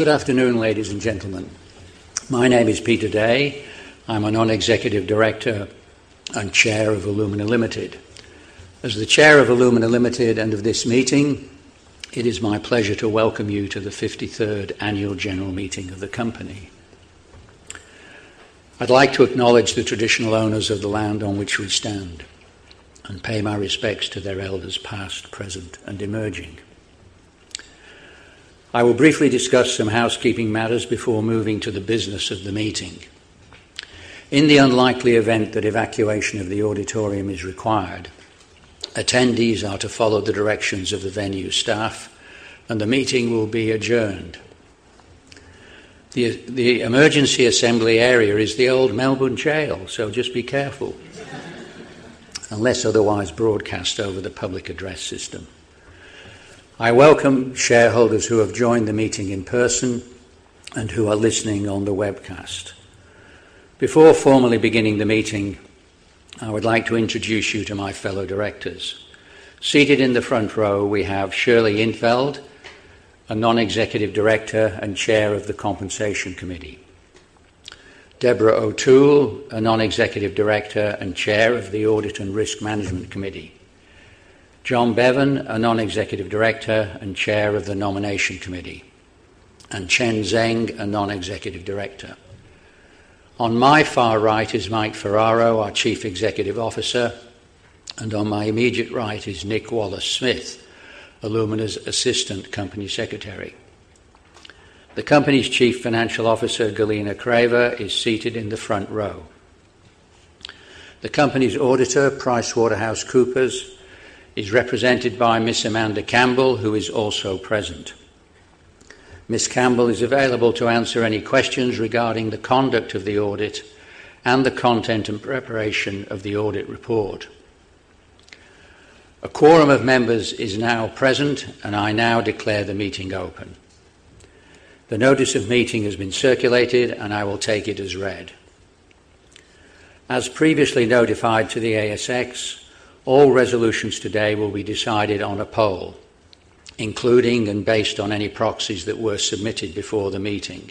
Good afternoon, ladies and gentlemen. My name is Peter Day. I'm a Non-Executive Director and Chair of Alumina Limited. As the Chair of Alumina Limited and of this meeting, it is my pleasure to welcome you to the 53rd Annual General Meeting of the company. I'd like to acknowledge the traditional owners of the land on which we stand and pay my respects to their elders, past, present, and emerging. I will briefly discuss some housekeeping matters before moving to the business of the meeting. In the unlikely event that evacuation of the auditorium is required, attendees are to follow the directions of the venue staff, and the meeting will be adjourned. The emergency assembly area is the Old Melbourne Gaol, just be careful unless otherwise broadcast over the public address system. I welcome shareholders who have joined the meeting in person and who are listening on the webcast. Before formally beginning the meeting, I would like to introduce you to my fellow Directors. Seated in the front row, we have Shirley In't Veld, a Non-Executive Director and Chair of the Compensation Committee, Deborah O'Toole, a Non-Executive Director and Chair of the Audit and Risk Management Committee, John Bevan, a Non-Executive Director and Chair of the Nomination Committee, and Chen Zeng, a Non-Executive Director. On my far right is Mike Ferraro, our Chief Executive Officer, and on my immediate right is Nick Wallace-Smith, Alumina's Assistant Company Secretary. The company's Chief Financial Officer, Galina Kraeva, is seated in the front row. The company's auditor, PricewaterhouseCoopers, is represented by Miss Amanda Campbell, who is also present. Miss Campbell is available to answer any questions regarding the conduct of the audit and the content and preparation of the audit report. A quorum of members is now present. I now declare the meeting open. The notice of meeting has been circulated. I will take it as read. As previously notified to the ASX, all resolutions today will be decided on a poll, including and based on any proxies that were submitted before the meeting.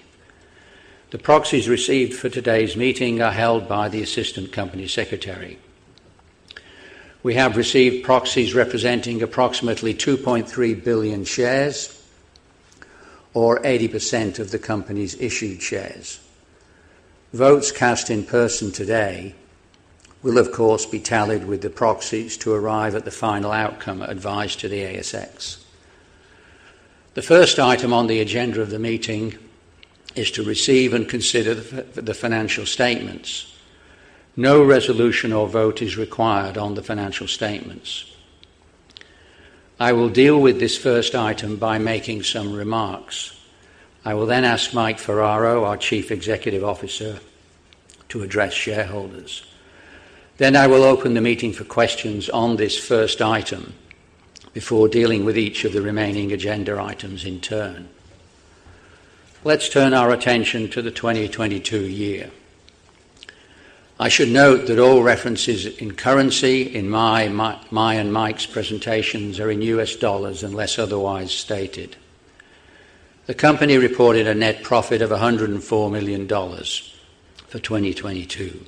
The proxies received for today's meeting are held by the Assistant Company Secretary. We have received proxies representing approximately 2.3 billion shares or 80% of the company's issued shares. Votes cast in person today will, of course, be tallied with the proxies to arrive at the final outcome advised to the ASX. The first item on the agenda of the meeting is to receive and consider the financial statements. No resolution or vote is required on the financial statements. I will deal with this first item by making some remarks. I will then ask Mike Ferraro, our Chief Executive Officer, to address shareholders. I will open the meeting for questions on this first item before dealing with each of the remaining agenda items in turn. Let's turn our attention to the 2022 year. I should note that all references in currency in my and Mike's presentations are in U.S. dollars, unless otherwise stated. The company reported a net profit of $104 million for 2022.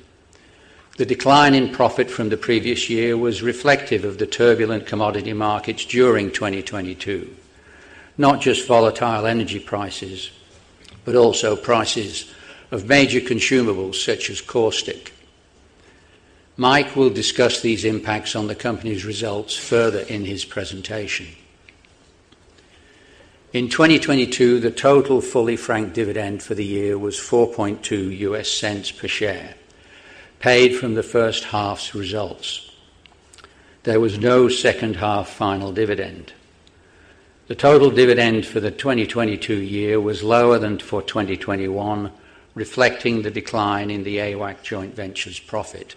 The decline in profit from the previous year was reflective of the turbulent commodity markets during 2022. Not just volatile energy prices, but also prices of major consumables, such as caustic. Mike will discuss these impacts on the company's results further in his presentation. In 2022, the total fully franked dividend for the year was $0.042 per share, paid from the first half's results. There was no second-half final dividend. The total dividend for the 2022 year was lower than for 2021, reflecting the decline in the AWAC joint venture's profit.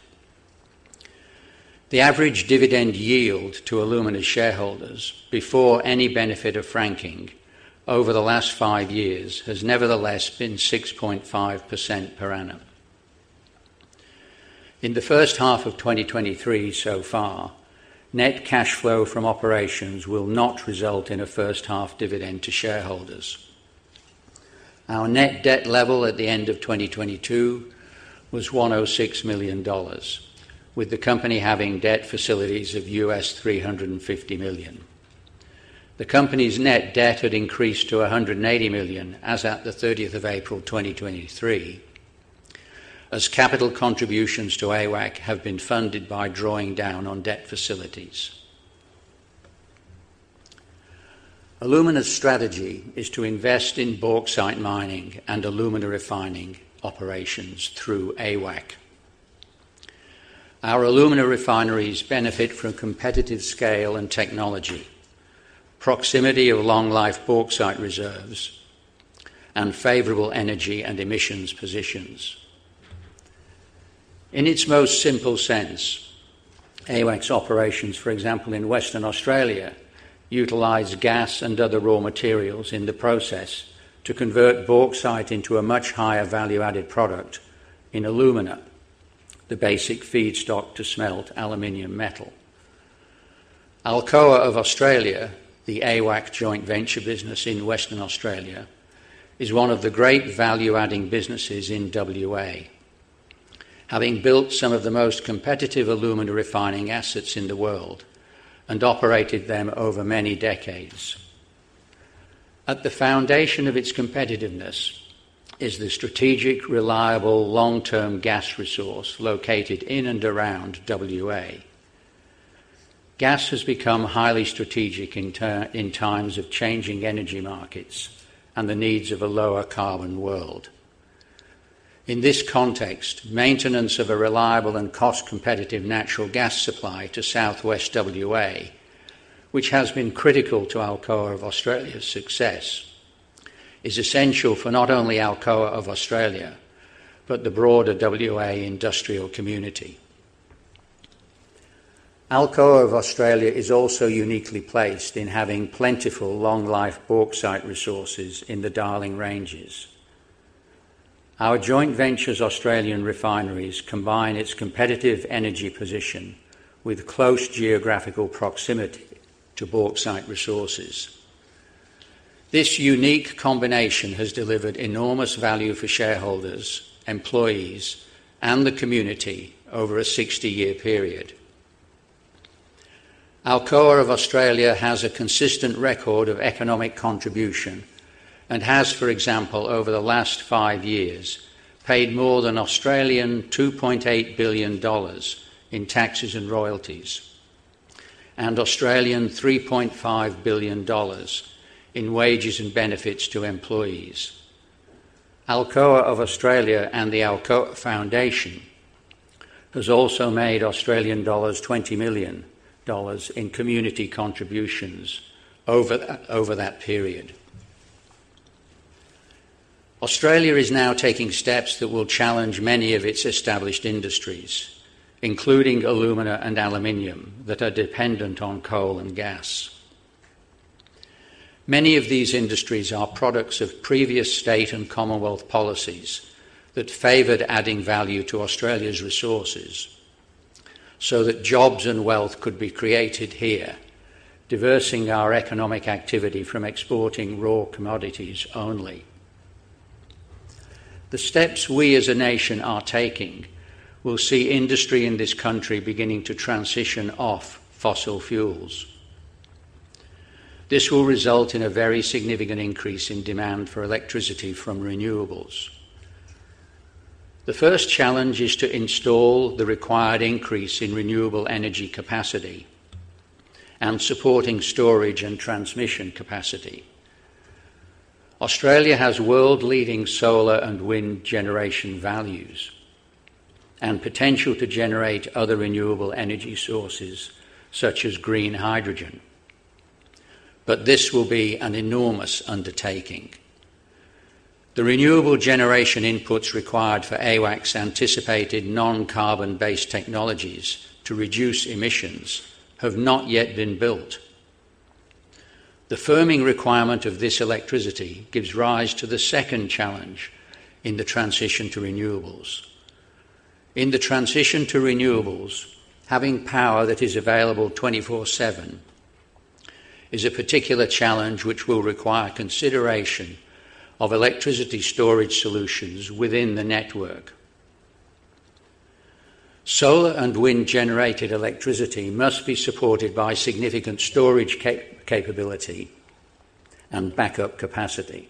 The average dividend yield to Alumina shareholders, before any benefit of franking over the last five years, has nevertheless been 6.5% per annum. In the first half of 2023 so far, net cash flow from operations will not result in a first-half dividend to shareholders. Our net debt level at the end of 2022 was $106 million, with the company having debt facilities of $350 million. The company's net debt had increased to $180 million as at the 30th of April 2023, as capital contributions to AWAC have been funded by drawing down on debt facilities. Alumina's strategy is to invest in bauxite mining and alumina refining operations through AWAC. Our alumina refineries benefit from competitive scale and technology, proximity of long-life bauxite reserves, and favorable energy and emissions positions. In its most simple sense, AWAC's operations, for example, in Western Australia, utilize gas and other raw materials in the process to convert bauxite into a much higher value-added product in alumina, the basic feedstock to smelt aluminum metal. Alcoa of Australia, the AWAC joint venture business in Western Australia, is one of the great value-adding businesses in WA, having built some of the most competitive alumina refining assets in the world and operated them over many decades. At the foundation of its competitiveness is the strategic, reliable, long-term gas resource located in and around WA. Gas has become highly strategic in times of changing energy markets and the needs of a lower carbon world. In this context, maintenance of a reliable and cost-competitive natural gas supply to Southwest WA, which has been critical to Alcoa of Australia's success, is essential for not only Alcoa of Australia, but the broader WA industrial community. Alcoa of Australia is also uniquely placed in having plentiful long-life bauxite resources in the Darling Ranges. Our joint venture's Australian refineries combine its competitive energy position with close geographical proximity to bauxite resources. This unique combination has delivered enormous value for shareholders, employees, and the community over a 60-year period. Alcoa of Australia has a consistent record of economic contribution and has, for example, over the last five years, paid more than 2.8 billion Australian dollars in taxes and royalties, and 3.5 billion Australian dollars in wages and benefits to employees. Alcoa of Australia and the Alcoa Foundation has also made Australian dollars 20 million in community contributions over that period. Australia is now taking steps that will challenge many of its established industries, including alumina and aluminum, that are dependent on coal and gas. Many of these industries are products of previous state and Commonwealth policies that favored adding value to Australia's resources, so that jobs and wealth could be created here, diversifying our economic activity from exporting raw commodities only. The steps we as a nation are taking will see industry in this country beginning to transition off fossil fuels. This will result in a very significant increase in demand for electricity from renewables. The first challenge is to install the required increase in renewable energy capacity and supporting storage and transmission capacity. Australia has world-leading solar and wind generation values and potential to generate other renewable energy sources, such as green hydrogen. This will be an enormous undertaking. The renewable generation inputs required for AWAC's anticipated non-carbon-based technologies to reduce emissions have not yet been built. The firming requirement of this electricity gives rise to the second challenge in the transition to renewables. In the transition to renewables, having power that is available 24/7 is a particular challenge which will require consideration of electricity storage solutions within the network. Solar and wind-generated electricity must be supported by significant storage capability and backup capacity.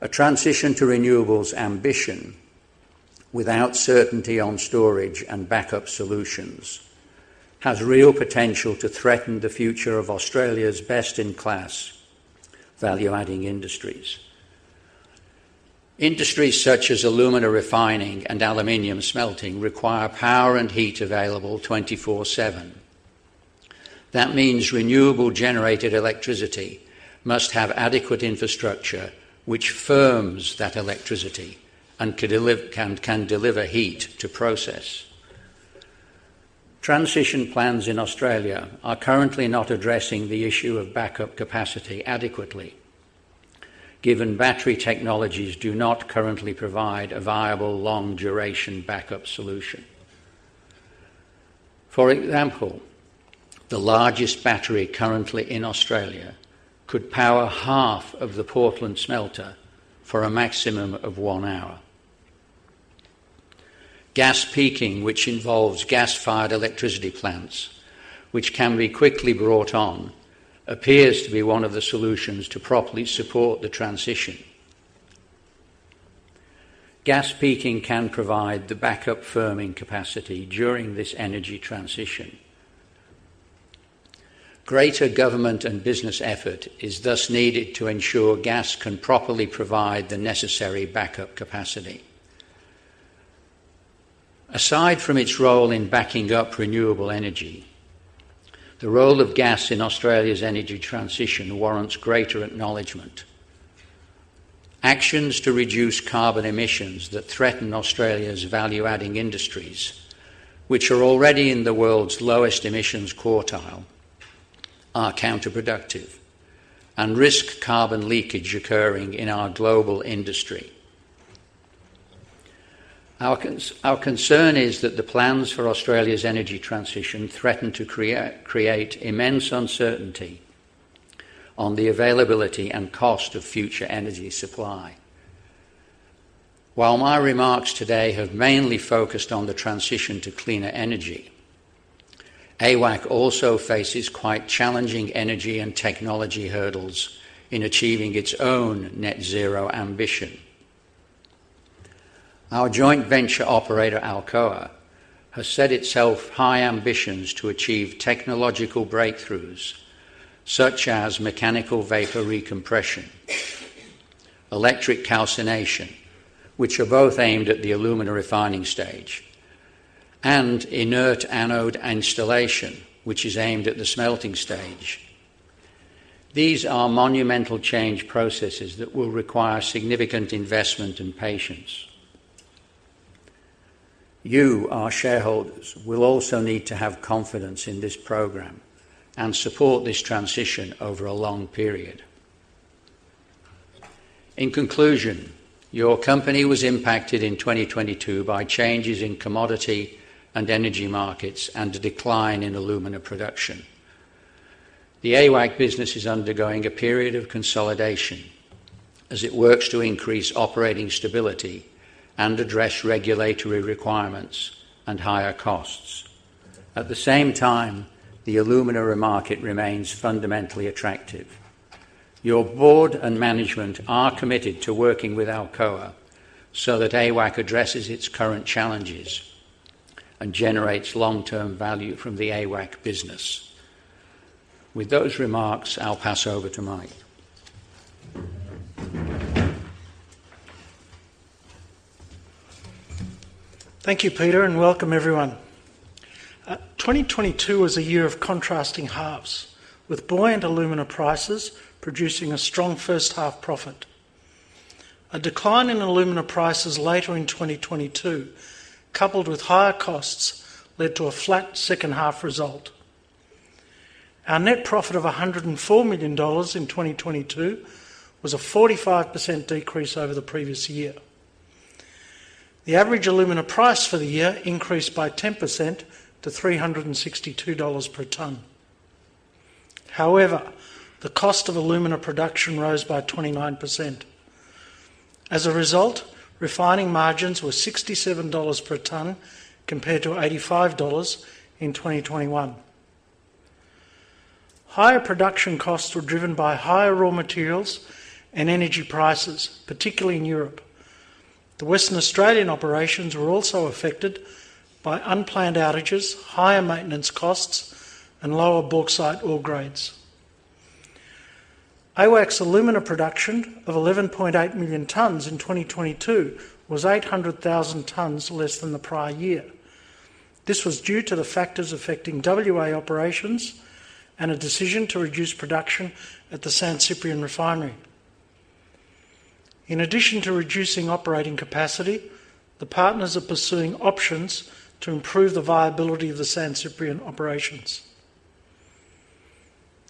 A transition to renewables ambition without certainty on storage and backup solutions has real potential to threaten the future of Australia's best-in-class value-adding industries. Industries such as alumina refining and aluminum smelting require power and heat available 24/7. That means renewable-generated electricity must have adequate infrastructure which firms that electricity and can deliver heat to process. Transition plans in Australia are currently not addressing the issue of backup capacity adequately, given battery technologies do not currently provide a viable long-duration backup solution. For example, the largest battery currently in Australia could power half of the Portland smelter for a maximum of one hour. Gas peaking, which involves gas-fired electricity plants, which can be quickly brought on, appears to be one of the solutions to properly support the transition. Gas peaking can provide the backup firming capacity during this energy transition. Greater government and business effort is thus needed to ensure gas can properly provide the necessary backup capacity. Aside from its role in backing up renewable energy, the role of gas in Australia's energy transition warrants greater acknowledgment. Actions to reduce carbon emissions that threaten Australia's value-adding industries, which are already in the world's lowest emissions quartile, are counterproductive and risk carbon leakage occurring in our global industry. Our concern is that the plans for Australia's energy transition threaten to create immense uncertainty on the availability and cost of future energy supply. While my remarks today have mainly focused on the transition to cleaner energy, AWAC also faces quite challenging energy and technology hurdles in achieving its own net zero ambition. Our joint venture operator, Alcoa, has set itself high ambitions to achieve technological breakthroughs, such as mechanical vapor recompression, electric calcination, which are both aimed at the alumina refining stage, and inert anode installation, which is aimed at the smelting stage. These are monumental change processes that will require significant investment and patience. You, our shareholders, will also need to have confidence in this program and support this transition over a long period. In conclusion, your company was impacted in 2022 by changes in commodity and energy markets and a decline in alumina production. The AWAC business is undergoing a period of consolidation as it works to increase operating stability and address regulatory requirements and higher costs. At the same time, the alumina market remains fundamentally attractive. Your board and management are committed to working with Alcoa so that AWAC addresses its current challenges and generates long-term value from the AWAC business. With those remarks, I'll pass over to Mike. Thank you, Peter, and welcome everyone. 2022 was a year of contrasting halves, with buoyant alumina prices producing a strong first half profit. A decline in alumina prices later in 2022, coupled with higher costs, led to a flat second half result. Our net profit of $104 million in 2022 was a 45% decrease over the previous year. The average alumina price for the year increased by 10% to $362 per ton. The cost of alumina production rose by 29%. Refining margins were $67 per ton, compared to $85 in 2021. Higher production costs were driven by higher raw materials and energy prices, particularly in Europe. The Western Australian operations were also affected by unplanned outages, higher maintenance costs, and lower bauxite ore grades. AWAC's alumina production of 11.8 million tons in 2022 was 800,000 tons less than the prior year. This was due to the factors affecting WA operations and a decision to reduce production at the San Ciprián refinery. In addition to reducing operating capacity, the partners are pursuing options to improve the viability of the San Ciprián operations.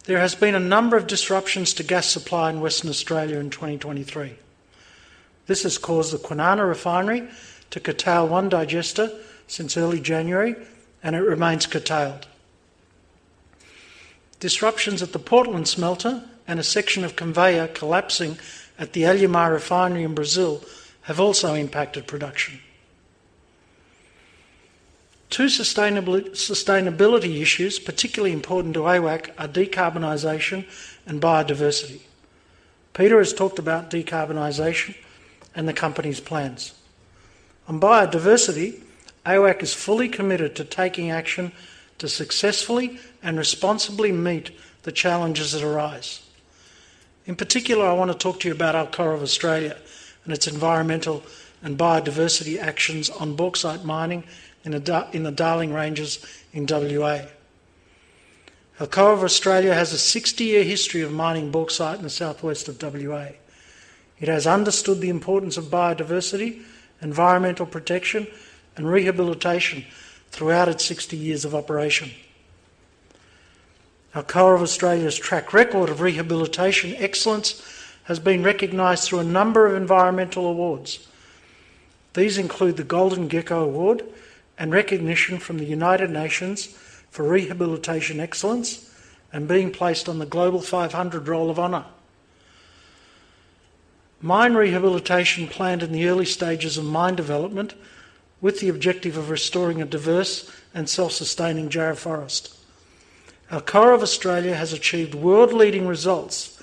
There has been a number of disruptions to gas supply in Western Australia in 2023. This has caused the Kwinana refinery to curtail one digester since early January, and it remains curtailed. Disruptions at the Portland Smelter and a section of conveyor collapsing at the Alumar Refinery in Brazil have also impacted production. Two sustainability issues, particularly important to AWAC, are decarbonization and biodiversity. Peter has talked about decarbonization and the company's plans. On biodiversity, AWAC is fully committed to taking action to successfully and responsibly meet the challenges that arise. In particular, I want to talk to you about Alcoa of Australia and its environmental and biodiversity actions on bauxite mining in the Darling Ranges in WA. Alcoa of Australia has a 60-year history of mining bauxite in the southwest of WA. It has understood the importance of biodiversity, environmental protection, and rehabilitation throughout its 60 years of operation. Alcoa of Australia's track record of rehabilitation excellence has been recognized through a number of environmental awards. These include the Golden Gecko Award and recognition from the United Nations for Rehabilitation Excellence and being placed on the Global 500 Roll of Honour. Mine rehabilitation planned in the early stages of mine development, with the objective of restoring a diverse and self-sustaining jarrah forest. Alcoa of Australia has achieved world-leading results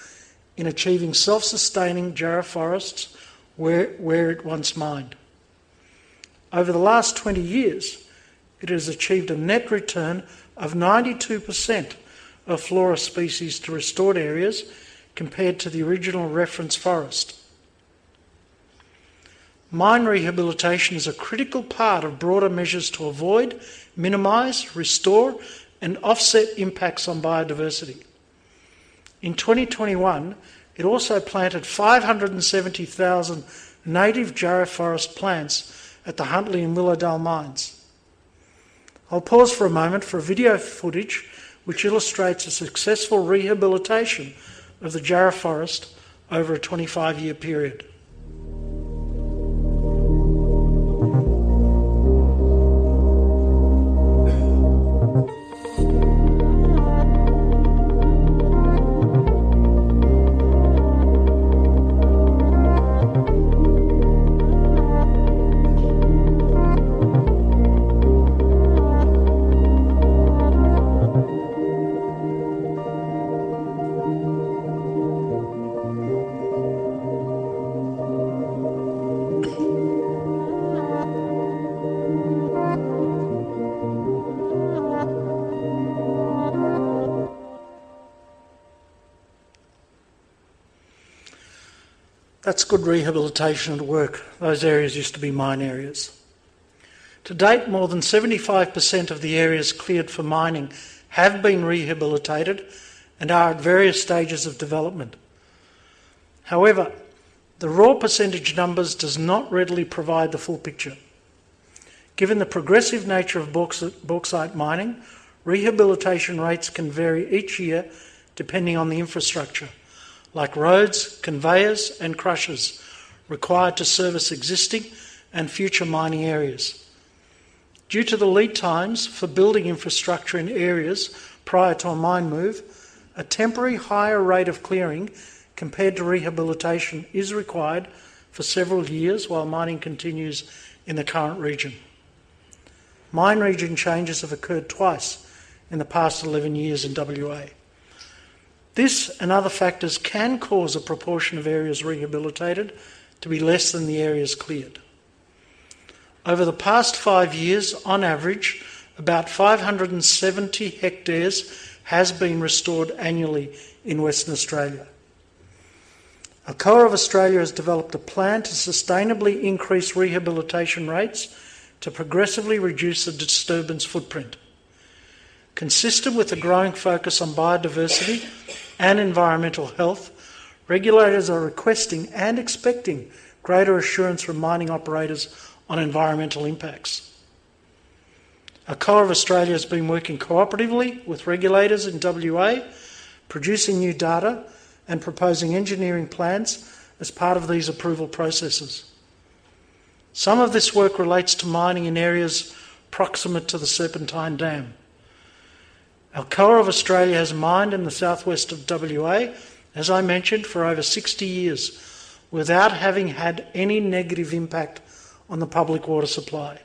in achieving self-sustaining jarrah forests where it once mined. Over the last 20 years, it has achieved a net return of 92% of flora species to restored areas compared to the original reference forest. Mine rehabilitation is a critical part of broader measures to avoid, minimize, restore, and offset impacts on biodiversity. In 2021, it also planted 570,000 native jarrah forest plants at the Huntly and Willowdale mines. I'll pause for a moment for a video footage which illustrates a successful rehabilitation of the Jarrah Forest over a 25-year period. That's good rehabilitation at work. Those areas used to be mine areas. To date, more than 75% of the areas cleared for mining have been rehabilitated and are at various stages of development. The raw percentage numbers does not readily provide the full picture. Given the progressive nature of bauxite mining, rehabilitation rates can vary each year depending on the infrastructure, like roads, conveyors, and crushers required to service existing and future mining areas. Due to the lead times for building infrastructure in areas prior to a mine move, a temporary higher rate of clearing compared to rehabilitation is required for several years while mining continues in the current region. Mine region changes have occurred twice in the past 11 years in WA. This and other factors can cause a proportion of areas rehabilitated to be less than the areas cleared. Over the past five years, on average, about 570 hectares has been restored annually in Western Australia. Alcoa of Australia has developed a plan to sustainably increase rehabilitation rates to progressively reduce the disturbance footprint. Consistent with the growing focus on biodiversity and environmental health, regulators are requesting and expecting greater assurance from mining operators on environmental impacts. Alcoa of Australia has been working cooperatively with regulators in WA, producing new data and proposing engineering plans as part of these approval processes. Some of this work relates to mining in areas proximate to the Serpentine Dam. Alcoa of Australia has mined in the southwest of WA, as I mentioned, for over 60 years, without having had any negative impact on the public water supply.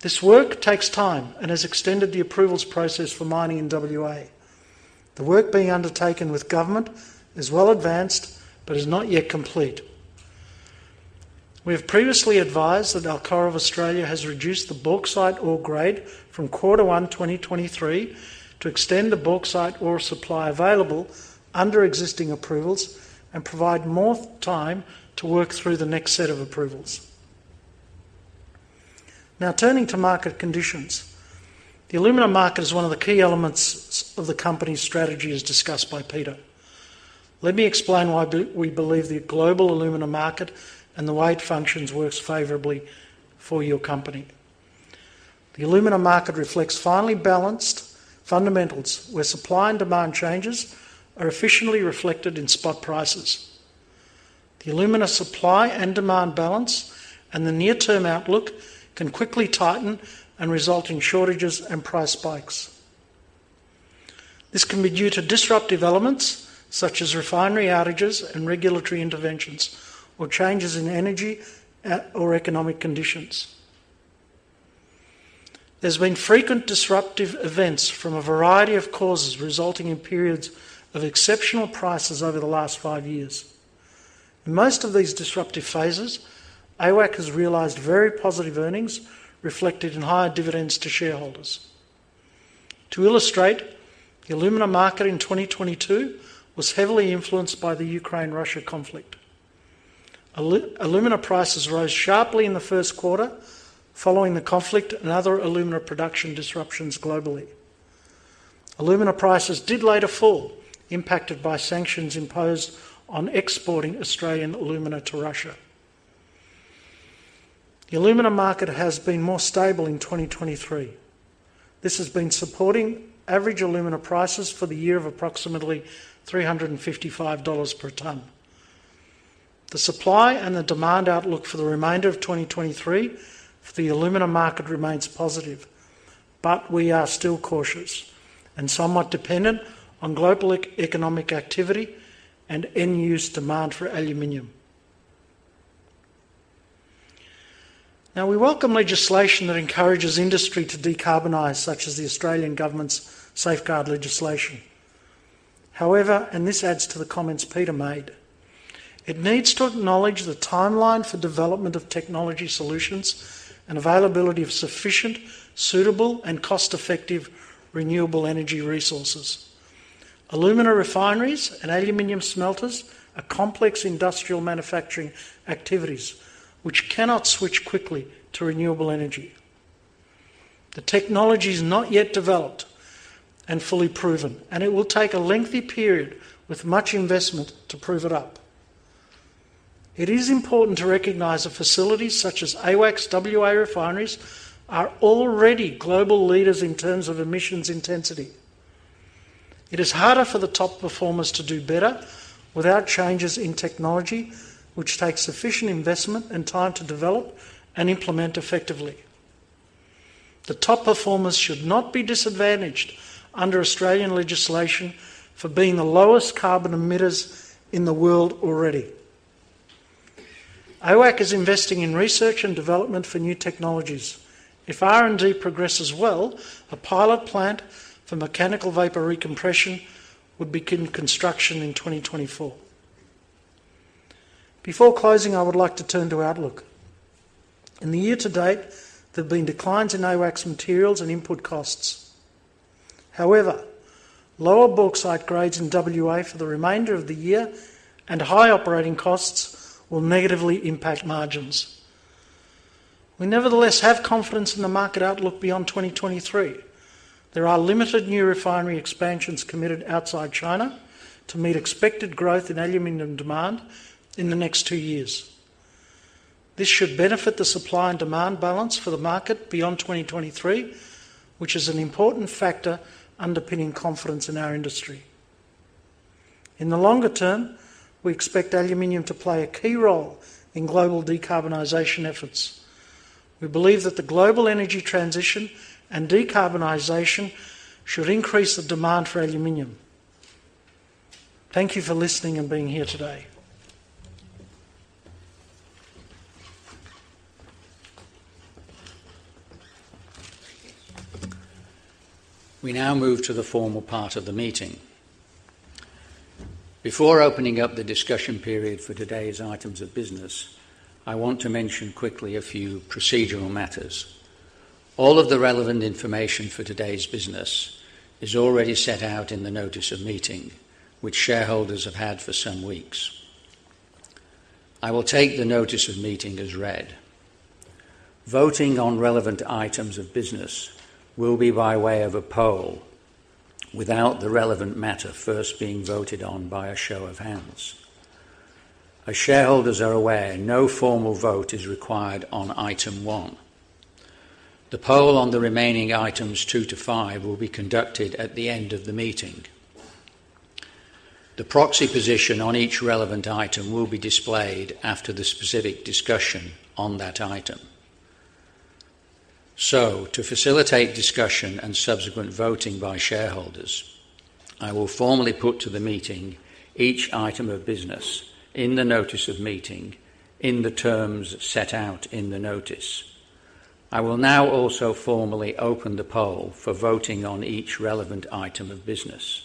This work takes time and has extended the approvals process for mining in WA. The work being undertaken with government is well advanced, but is not yet complete. We have previously advised that Alcoa of Australia has reduced the bauxite ore grade from quarter one 2023 to extend the bauxite ore supply available under existing approvals and provide more time to work through the next set of approvals. Turning to market conditions. The alumina market is one of the key elements of the company's strategy, as discussed by Peter. Let me explain why we believe the global alumina market and the way it functions works favorably for your company. The alumina market reflects finely balanced fundamentals, where supply and demand changes are efficiently reflected in spot prices. The alumina supply and demand balance and the near-term outlook can quickly tighten and result in shortages and price spikes. This can be due to disruptive elements, such as refinery outages and regulatory interventions, or changes in energy or economic conditions. There's been frequent disruptive events from a variety of causes, resulting in periods of exceptional prices over the last five years. In most of these disruptive phases, AWAC has realized very positive earnings, reflected in higher dividends to shareholders. To illustrate, the alumina market in 2022 was heavily influenced by the Russia-Ukraine conflict. Alumina prices rose sharply in the first quarter following the conflict and other alumina production disruptions globally. Alumina prices did later fall, impacted by sanctions imposed on exporting Australian alumina to Russia. The alumina market has been more stable in 2023. This has been supporting average alumina prices for the year of approximately $355 per ton. The supply and the demand outlook for the remainder of 2023 for the alumina market remains positive, but we are still cautious and somewhat dependent on global economic activity and end-use demand for aluminum. Now, we welcome legislation that encourages industry to decarbonize, such as the Australian Government's Safeguard legislation. However, and this adds to the comments Peter made, it needs to acknowledge the timeline for development of technology solutions and availability of sufficient, suitable, and cost-effective renewable energy resources. Alumina refineries and aluminum smelters are complex industrial manufacturing activities which cannot switch quickly to renewable energy. The technology is not yet developed and fully proven, and it will take a lengthy period with much investment to prove it up. It is important to recognize that facilities such as AWAC's WA refineries are already global leaders in terms of emissions intensity. It is harder for the top performers to do better without changes in technology, which takes sufficient investment and time to develop and implement effectively. The top performers should not be disadvantaged under Australian legislation for being the lowest carbon emitters in the world already. AWAC is investing in research and development for new technologies. If R&D progresses well, a pilot plant for mechanical vapor recompression would begin construction in 2024. Before closing, I would like to turn to outlook. In the year to date, there have been declines in AWAC's materials and input costs. However, lower bauxite grades in WA for the remainder of the year and high operating costs will negatively impact margins. We nevertheless have confidence in the market outlook beyond 2023. There are limited new refinery expansions committed outside China to meet expected growth in aluminum demand in the next two years. This should benefit the supply and demand balance for the market beyond 2023, which is an important factor underpinning confidence in our industry. In the longer term, we expect aluminum to play a key role in global decarbonization efforts. We believe that the global energy transition and decarbonization should increase the demand for aluminum. Thank you for listening and being here today. We now move to the formal part of the meeting. Before opening up the discussion period for today's items of business, I want to mention quickly a few procedural matters. All of the relevant information for today's business is already set out in the notice of meeting, which shareholders have had for some weeks. I will take the notice of meeting as read. Voting on relevant items of business will be by way of a poll, without the relevant matter first being voted on by a show of hands. As shareholders are aware, no formal vote is required on item one. The poll on the remaining items two to five will be conducted at the end of the meeting. The proxy position on each relevant item will be displayed after the specific discussion on that item. To facilitate discussion and subsequent voting by shareholders, I will formally put to the meeting each item of business in the notice of meeting in the terms set out in the notice. I will now also formally open the poll for voting on each relevant item of business.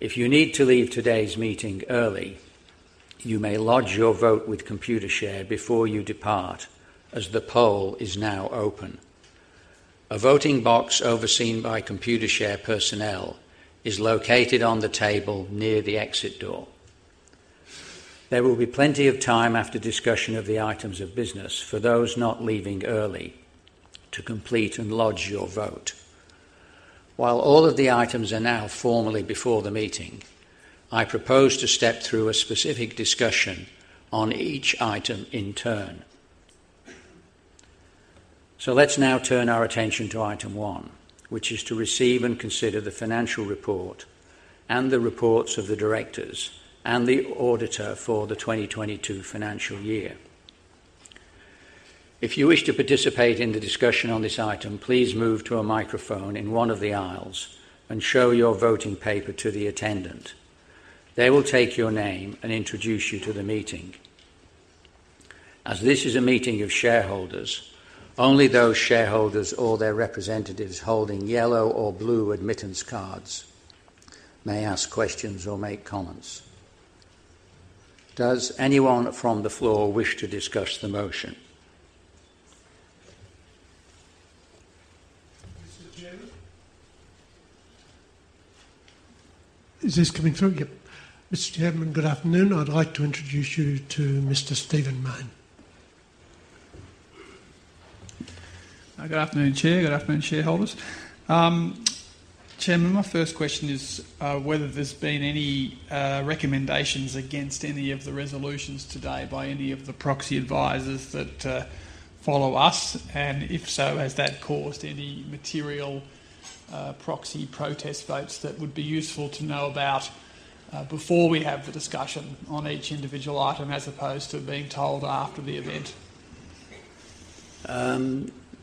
If you need to leave today's meeting early, you may lodge your vote with Computershare before you depart, as the poll is now open. A voting box overseen by Computershare personnel is located on the table near the exit door. There will be plenty of time after discussion of the items of business for those not leaving early to complete and lodge your vote. While all of the items are now formally before the meeting, I propose to step through a specific discussion on each item in turn. Let's now turn our attention to item one, which is to receive and consider the financial report and the reports of the Directors and the auditor for the 2022 financial year. If you wish to participate in the discussion on this item, please move to a microphone in one of the aisles and show your voting paper to the attendant. They will take your name and introduce you to the meeting. As this is a meeting of shareholders, only those shareholders or their representatives holding yellow or blue admittance cards may ask questions or make comments. Does anyone from the floor wish to discuss the motion? Mr. Chairman. Is this coming through? Yep. Mr. Chairman, good afternoon. I'd like to introduce you to Mr. Stephen Mayne. Good afternoon, Chair. Good afternoon, shareholders. Chairman, my first question is whether there's been any recommendations against any of the resolutions today by any of the proxy advisors that follow us, and if so, has that caused any material proxy protest votes that would be useful to know about before we have the discussion on each individual item, as opposed to being told after the event?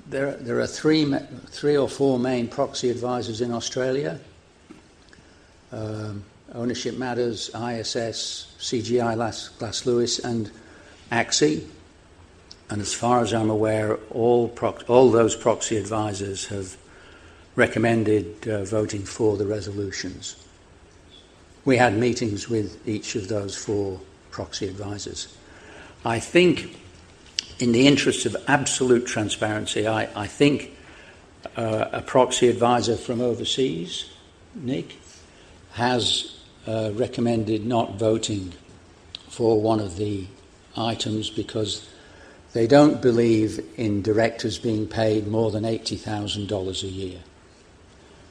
There are three or four main proxy advisors in Australia: Ownership Matters, ISS, CGI Glass Lewis, and ACSI. As far as I'm aware, all those proxy advisors have recommended voting for the resolutions. We had meetings with each of those four proxy advisors. I think in the interest of absolute transparency, I think a proxy advisor from overseas, Nick, has recommended not voting for one of the items because they don't believe in Directors being paid more than $80,000 a year.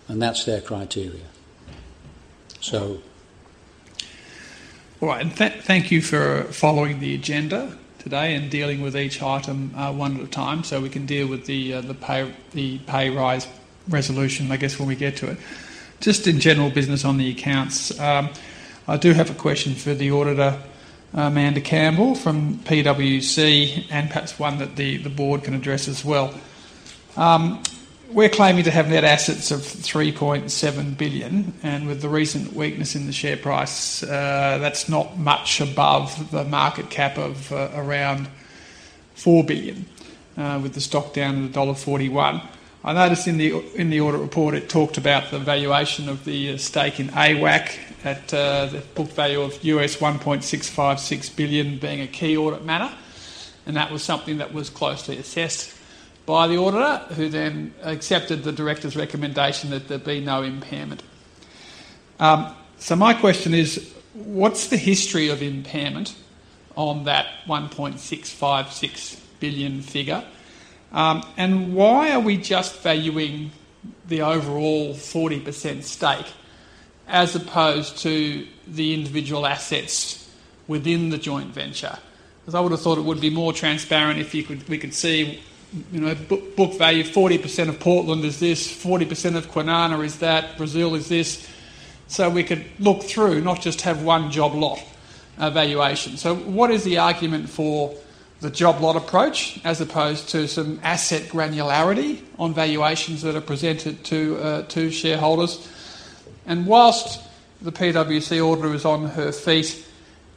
That's their criteria. Thank you for following the agenda today and dealing with each item, one at a time, so we can deal with the pay rise resolution, I guess, when we get to it. Just in general business on the accounts, I do have a question for the auditor, Amanda Campbell, from PwC, and perhaps one that the board can address as well. We're claiming to have net assets of 3.7 billion, and with the recent weakness in the share price, that's not much above the market cap of around 4 billion, with the stock down at dollar 1.41. I noticed in the audit report, it talked about the valuation of the stake in AWAC at the book value of $1.656 billion being a key audit matter. That was something that was closely assessed by the auditor, who then accepted the Directors' recommendation that there be no impairment. My question is, what's the history of impairment on that $1.656 billion figure? Why are we just valuing the overall 40% stake, as opposed to the individual assets within the joint venture? 'Cause I would have thought it would be more transparent if we could see, you know, book value, 40% of Portland is this, 40% of Kwinana is that, Brazil is this. We could look through, not just have one job lot valuation. What is the argument for the job lot approach, as opposed to some asset granularity on valuations that are presented to shareholders? Whilst the PwC auditor is on her feet,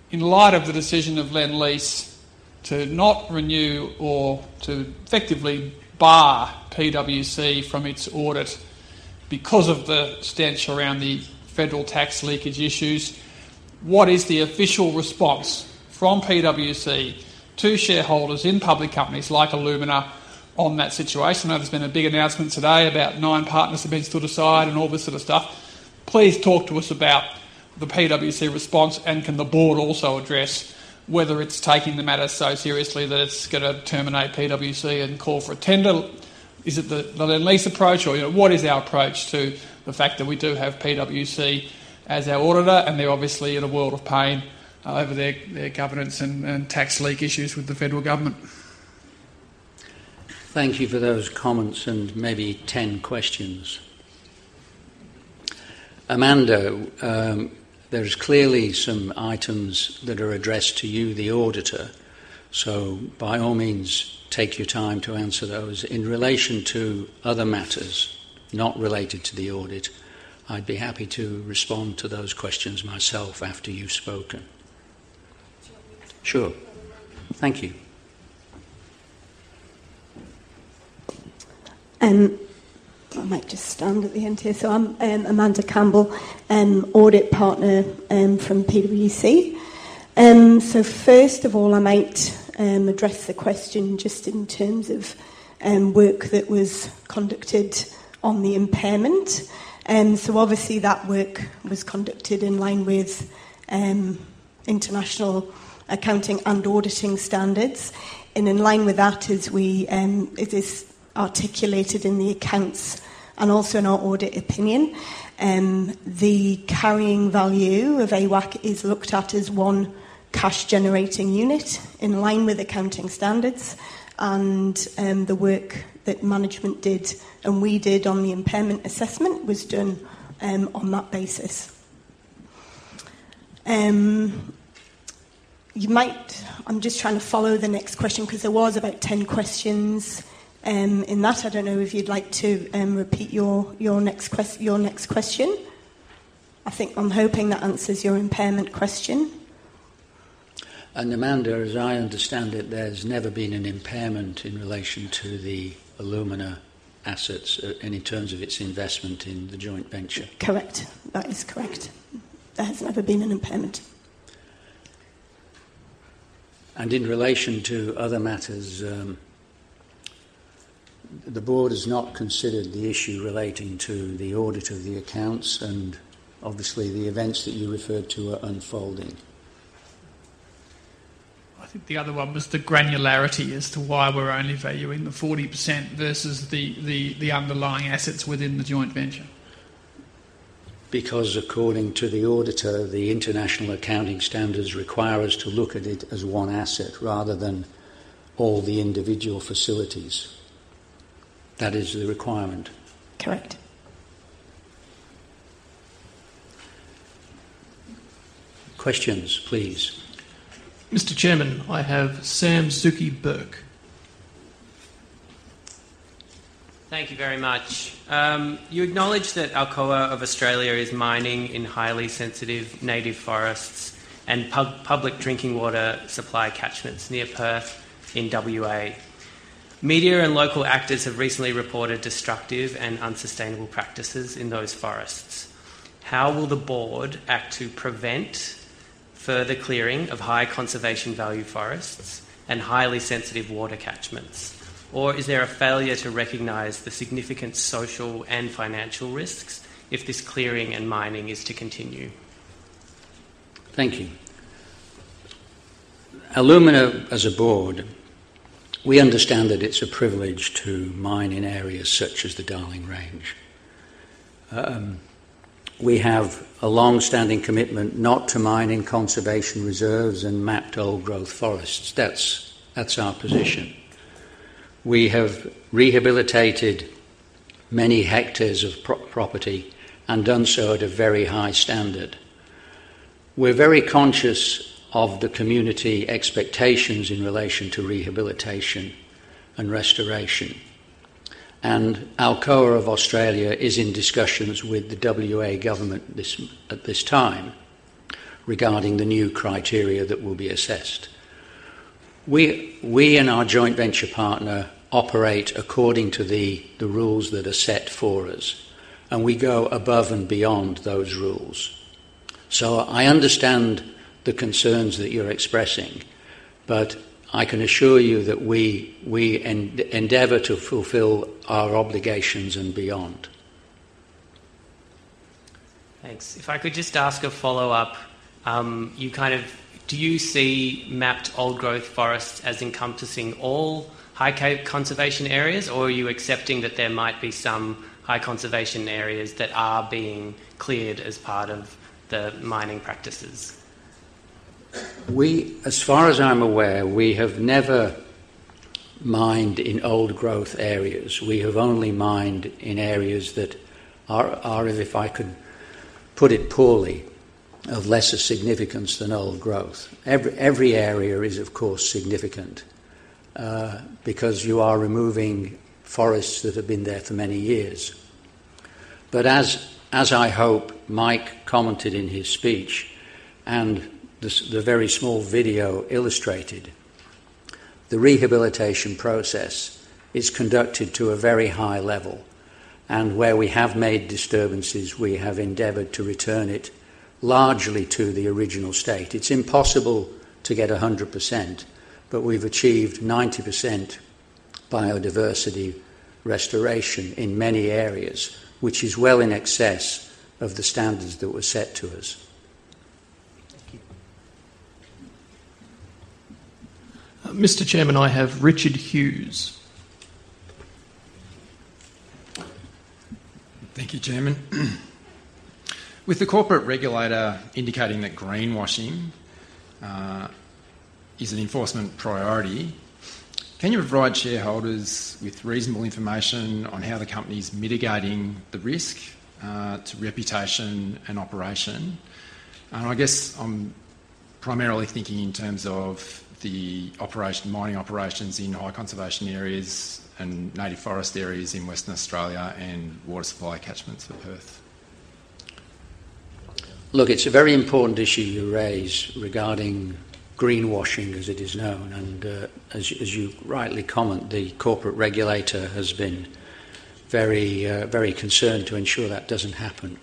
in light of the decision of Lendlease to not renew or to effectively bar PwC from its audit because of the stench around the federal tax leakage issues, what is the official response from PwC to shareholders in public companies like Alumina on that situation? I know there's been a big announcement today about nine partners have been stood aside and all this sort of stuff. Please talk to us about the PwC response, and can the board also address whether it's taking the matter so seriously that it's gonna terminate PwC and call for a tender? Is it the Lendlease approach, or, you know, what is our approach to the fact that we do have PwC as our auditor, and they're obviously in a world of pain over their governance and tax leak issues with the federal government? Thank you for those comments and maybe 10 questions. Amanda, there's clearly some items that are addressed to you, the auditor, so by all means, take your time to answer those. In relation to other matters, not related to the audit, I'd be happy to respond to those questions myself after you've spoken. Sure. Thank you. I might just stand at the end here. I'm Amanda Campbell, audit partner, from PwC. First of all, I might address the question just in terms of work that was conducted on the impairment. Obviously, that work was conducted in line with international accounting and auditing standards, and in line with that, as we, it is articulated in the accounts and also in our audit opinion, the carrying value of AWAC is looked at as one cash-generating unit in line with accounting standards, and the work that management did, and we did on the impairment assessment, was done on that basis. I'm just trying to follow the next question, 'cause there was about 10 questions in that. I don't know if you'd like to, repeat your next question? I think I'm hoping that answers your impairment question. Amanda, as I understand it, there's never been an impairment in relation to the Alumina assets in terms of its investment in the joint venture. Correct. That is correct. There has never been an impairment. In relation to other matters, the board has not considered the issue relating to the audit of the accounts, and obviously, the events that you referred to are unfolding. I think the other one was the granularity as to why we're only valuing the 40% versus the underlying assets within the joint venture. According to the auditor, the international accounting standards require us to look at it as one asset rather than all the individual facilities. That is the requirement. Correct. Questions, please. Mr. Chairman, I have Sam Zuker Buerk. Thank you very much. You acknowledge that Alcoa of Australia is mining in highly sensitive native forests and public drinking water supply catchments near Perth in WA. Media and local actors have recently reported destructive and unsustainable practices in those forests. How will the board act to prevent further clearing of high conservation value forests and highly sensitive water catchments? Is there a failure to recognize the significant social and financial risks if this clearing and mining is to continue? Thank you. Alumina, as a board, we understand that it's a privilege to mine in areas such as the Darling Range. We have a long-standing commitment not to mine in conservation reserves and mapped old-growth forests. That's our position. We have rehabilitated many hectares of property, and done so at a very high standard. We're very conscious of the community expectations in relation to rehabilitation and restoration, and Alcoa of Australia is in discussions with the WA government at this time regarding the new criteria that will be assessed. We and our joint venture partner operate according to the rules that are set for us, and we go above and beyond those rules. I understand the concerns that you're expressing, I can assure you that we endeavor to fulfill our obligations and beyond. Thanks. If I could just ask a follow-up, do you see mapped old-growth forests as encompassing all high conservation areas, or are you accepting that there might be some high conservation areas that are being cleared as part of the mining practices? We, as far as I'm aware, we have never mined in old-growth areas. We have only mined in areas that are, if I could put it poorly, of lesser significance than old growth. Every area is, of course, significant, because you are removing forests that have been there for many years. As I hope Mike commented in his speech, and the very small video illustrated, the rehabilitation process is conducted to a very high level, and where we have made disturbances, we have endeavored to return it largely to the original state. It's impossible to get 100%, we've achieved 90% biodiversity restoration in many areas, which is well in excess of the standards that were set to us. Thank you. Mr. Chairman, I have Richard Hughes. Thank you, Chairman. With the corporate regulator indicating that greenwashing is an enforcement priority, can you provide shareholders with reasonable information on how the company's mitigating the risk to reputation and operation? I guess I'm primarily thinking in terms of the operation, mining operations in high conservation areas and native forest areas in Western Australia and water supply catchments for Perth. It's a very important issue you raise regarding greenwashing, as it is known, as you rightly comment, the corporate regulator has been very concerned to ensure that doesn't happen.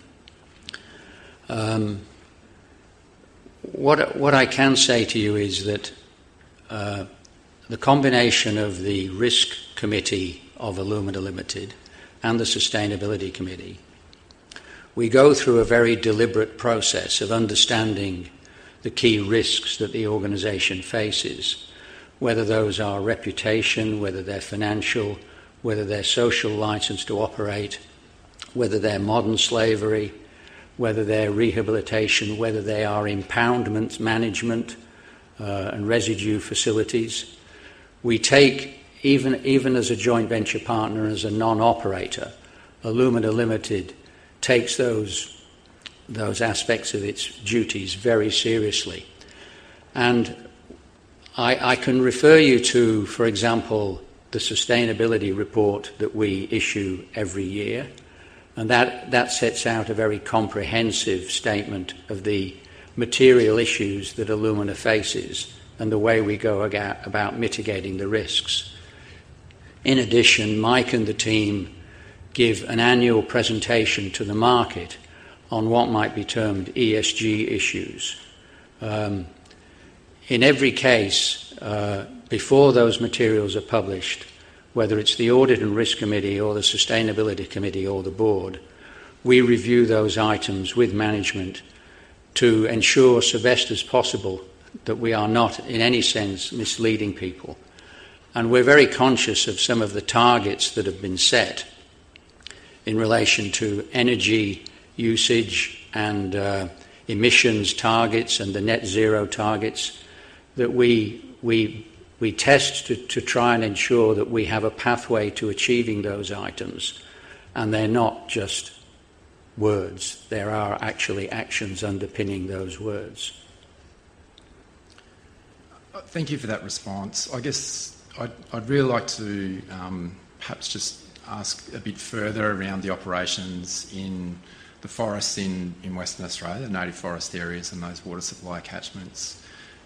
What I can say to you is that the combination of the risk committee of Alumina Limited and the sustainability committee, we go through a very deliberate process of understanding the key risks that the organization faces, whether those are reputation, whether they're financial, whether they're social license to operate, whether they're modern slavery, whether they're rehabilitation, whether they are impoundments, management, and residue facilities. We take, even as a joint venture partner, as a non-operator, Alumina Limited takes those aspects of its duties very seriously. I can refer you to, for example, the sustainability report that we issue every year, and that sets out a very comprehensive statement of the material issues that Alumina faces and the way we go about mitigating the risks. In addition, Mike and the team give an annual presentation to the market on what might be termed ESG issues. In every case, before those materials are published, whether it's the Audit and Risk Committee or the sustainability committee or the board, we review those items with management to ensure so best as possible that we are not, in any sense, misleading people. We're very conscious of some of the targets that have been set in relation to energy usage and emissions targets and the net zero targets that we test to try and ensure that we have a pathway to achieving those items, and they're not just words. There are actually actions underpinning those words. Thank you for that response. I guess I'd really like to perhaps just ask a bit further around the operations in the forests in Western Australia, native forest areas and those water supply catchments.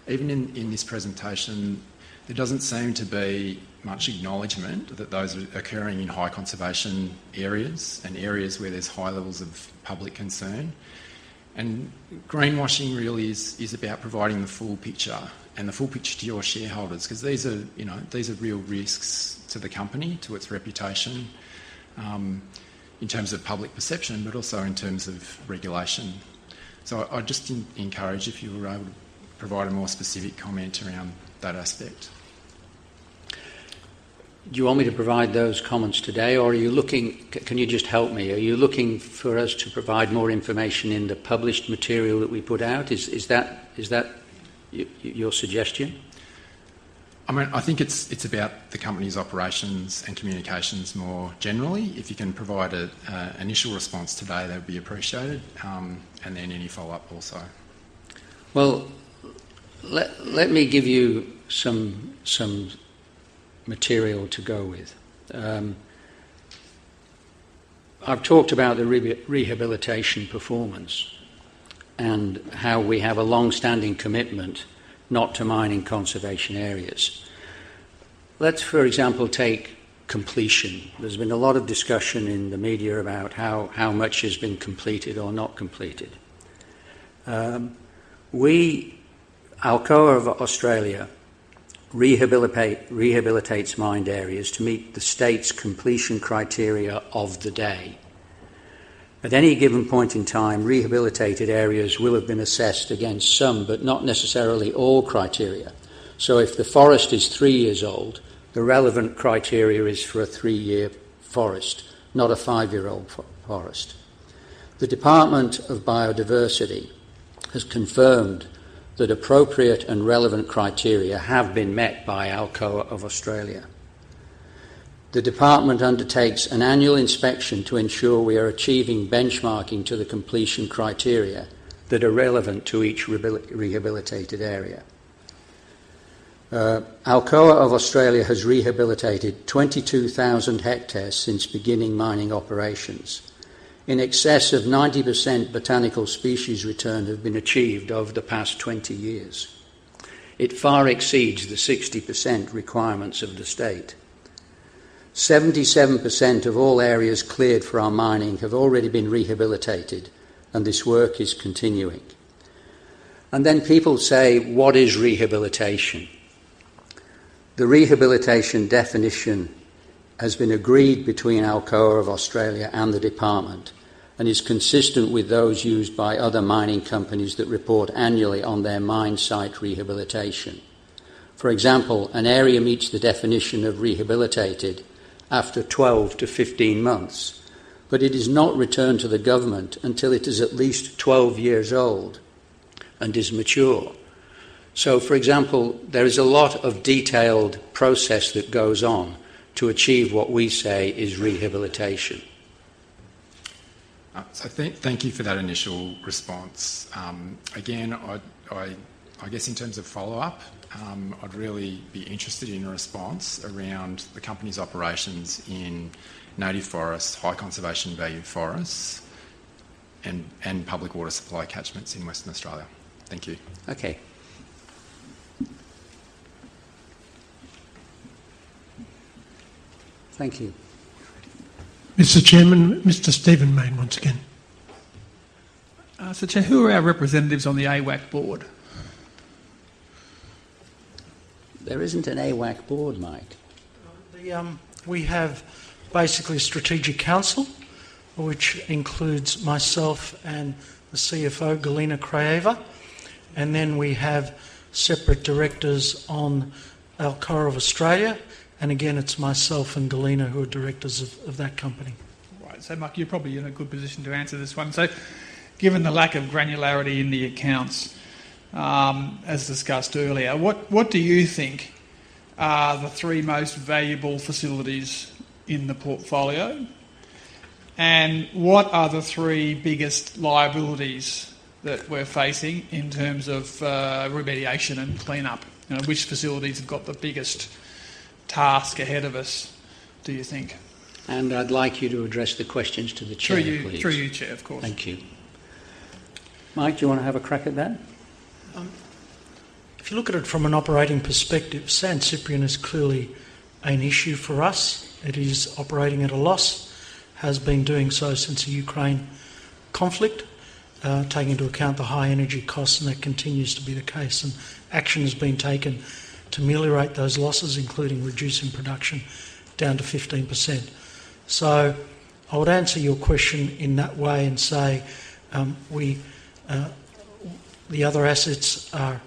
Even in this presentation, there doesn't seem to be much acknowledgment that those are occurring in high conservation areas and areas where there's high levels of public concern. Greenwashing really is about providing the full picture and the full picture to your shareholders, 'cause these are, you know, these are real risks to the company, to its reputation, in terms of public perception, but also in terms of regulation. I'd just encourage if you were able to provide a more specific comment around that aspect. Do you want me to provide those comments today, or are you looking, can you just help me? Are you looking for us to provide more information in the published material that we put out? Is that, is that your suggestion? I mean, I think it's about the company's operations and communications more generally. If you can provide an initial response today, that would be appreciated, and then any follow-up also. Well, let me give you some material to go with. I've talked about the rehabilitation performance and how we have a long-standing commitment not to mine in conservation areas. Let's, for example, take completion. There's been a lot of discussion in the media about how much has been completed or not completed. We, Alcoa of Australia, rehabilitates mined areas to meet the state's completion criteria of the day. At any given point in time, rehabilitated areas will have been assessed against some, but not necessarily all criteria. If the forest is three years old, the relevant criteria is for a three-year forest, not a five-year-old forest. The Department of Biodiversity has confirmed that appropriate and relevant criteria have been met by Alcoa of Australia. The department undertakes an annual inspection to ensure we are achieving benchmarking to the completion criteria that are relevant to each rehabilitated area. Alcoa of Australia has rehabilitated 22,000 hectares since beginning mining operations. In excess of 90% botanical species return have been achieved over the past 20 years. It far exceeds the 60% requirements of the state. 77% of all areas cleared for our mining have already been rehabilitated, and this work is continuing. Then people say: What is rehabilitation? The rehabilitation definition has been agreed between Alcoa of Australia and the Department, and is consistent with those used by other mining companies that report annually on their mine site rehabilitation. For example, an area meets the definition of rehabilitated after 12-15 months, but it is not returned to the government until it is at least 12 years old and is mature. For example, there is a lot of detailed process that goes on to achieve what we say is rehabilitation. Thank you for that initial response. Again, I guess in terms of follow-up, I'd really be interested in a response around the company's operations in native forests, high conservation value forests, and public water supply catchments in Western Australia. Thank you. Okay. Thank you. Mr. Chairman, Mr. Stephen Mayne once again. Chair, who are our representatives on the AWAC board? There isn't an AWAC board, Mike. We have basically a strategic council, which includes myself and the CFO, Galina Kraeva, and then we have separate Directors on Alcoa of Australia, and again, it's myself and Galina who are Directors of that company. Mike, you're probably in a good position to answer this one. Given the lack of granularity in the accounts, as discussed earlier, what do you think are the three most valuable facilities in the portfolio? What are the three biggest liabilities that we're facing in terms of remediation and cleanup? You know, which facilities have got the biggest task ahead of us, do you think? I'd like you to address the questions to the Chair, please. Through you. Through you, Chair, of course. Thank you. Mike, do you want to have a crack at that? If you look at it from an operating perspective, San Ciprián is clearly an issue for us. It is operating at a loss, has been doing so since the Ukraine conflict, taking into account the high energy costs, and that continues to be the case, and action is being taken to ameliorate those losses, including reducing production down to 15%. I would answer your question in that way and say, the other assets are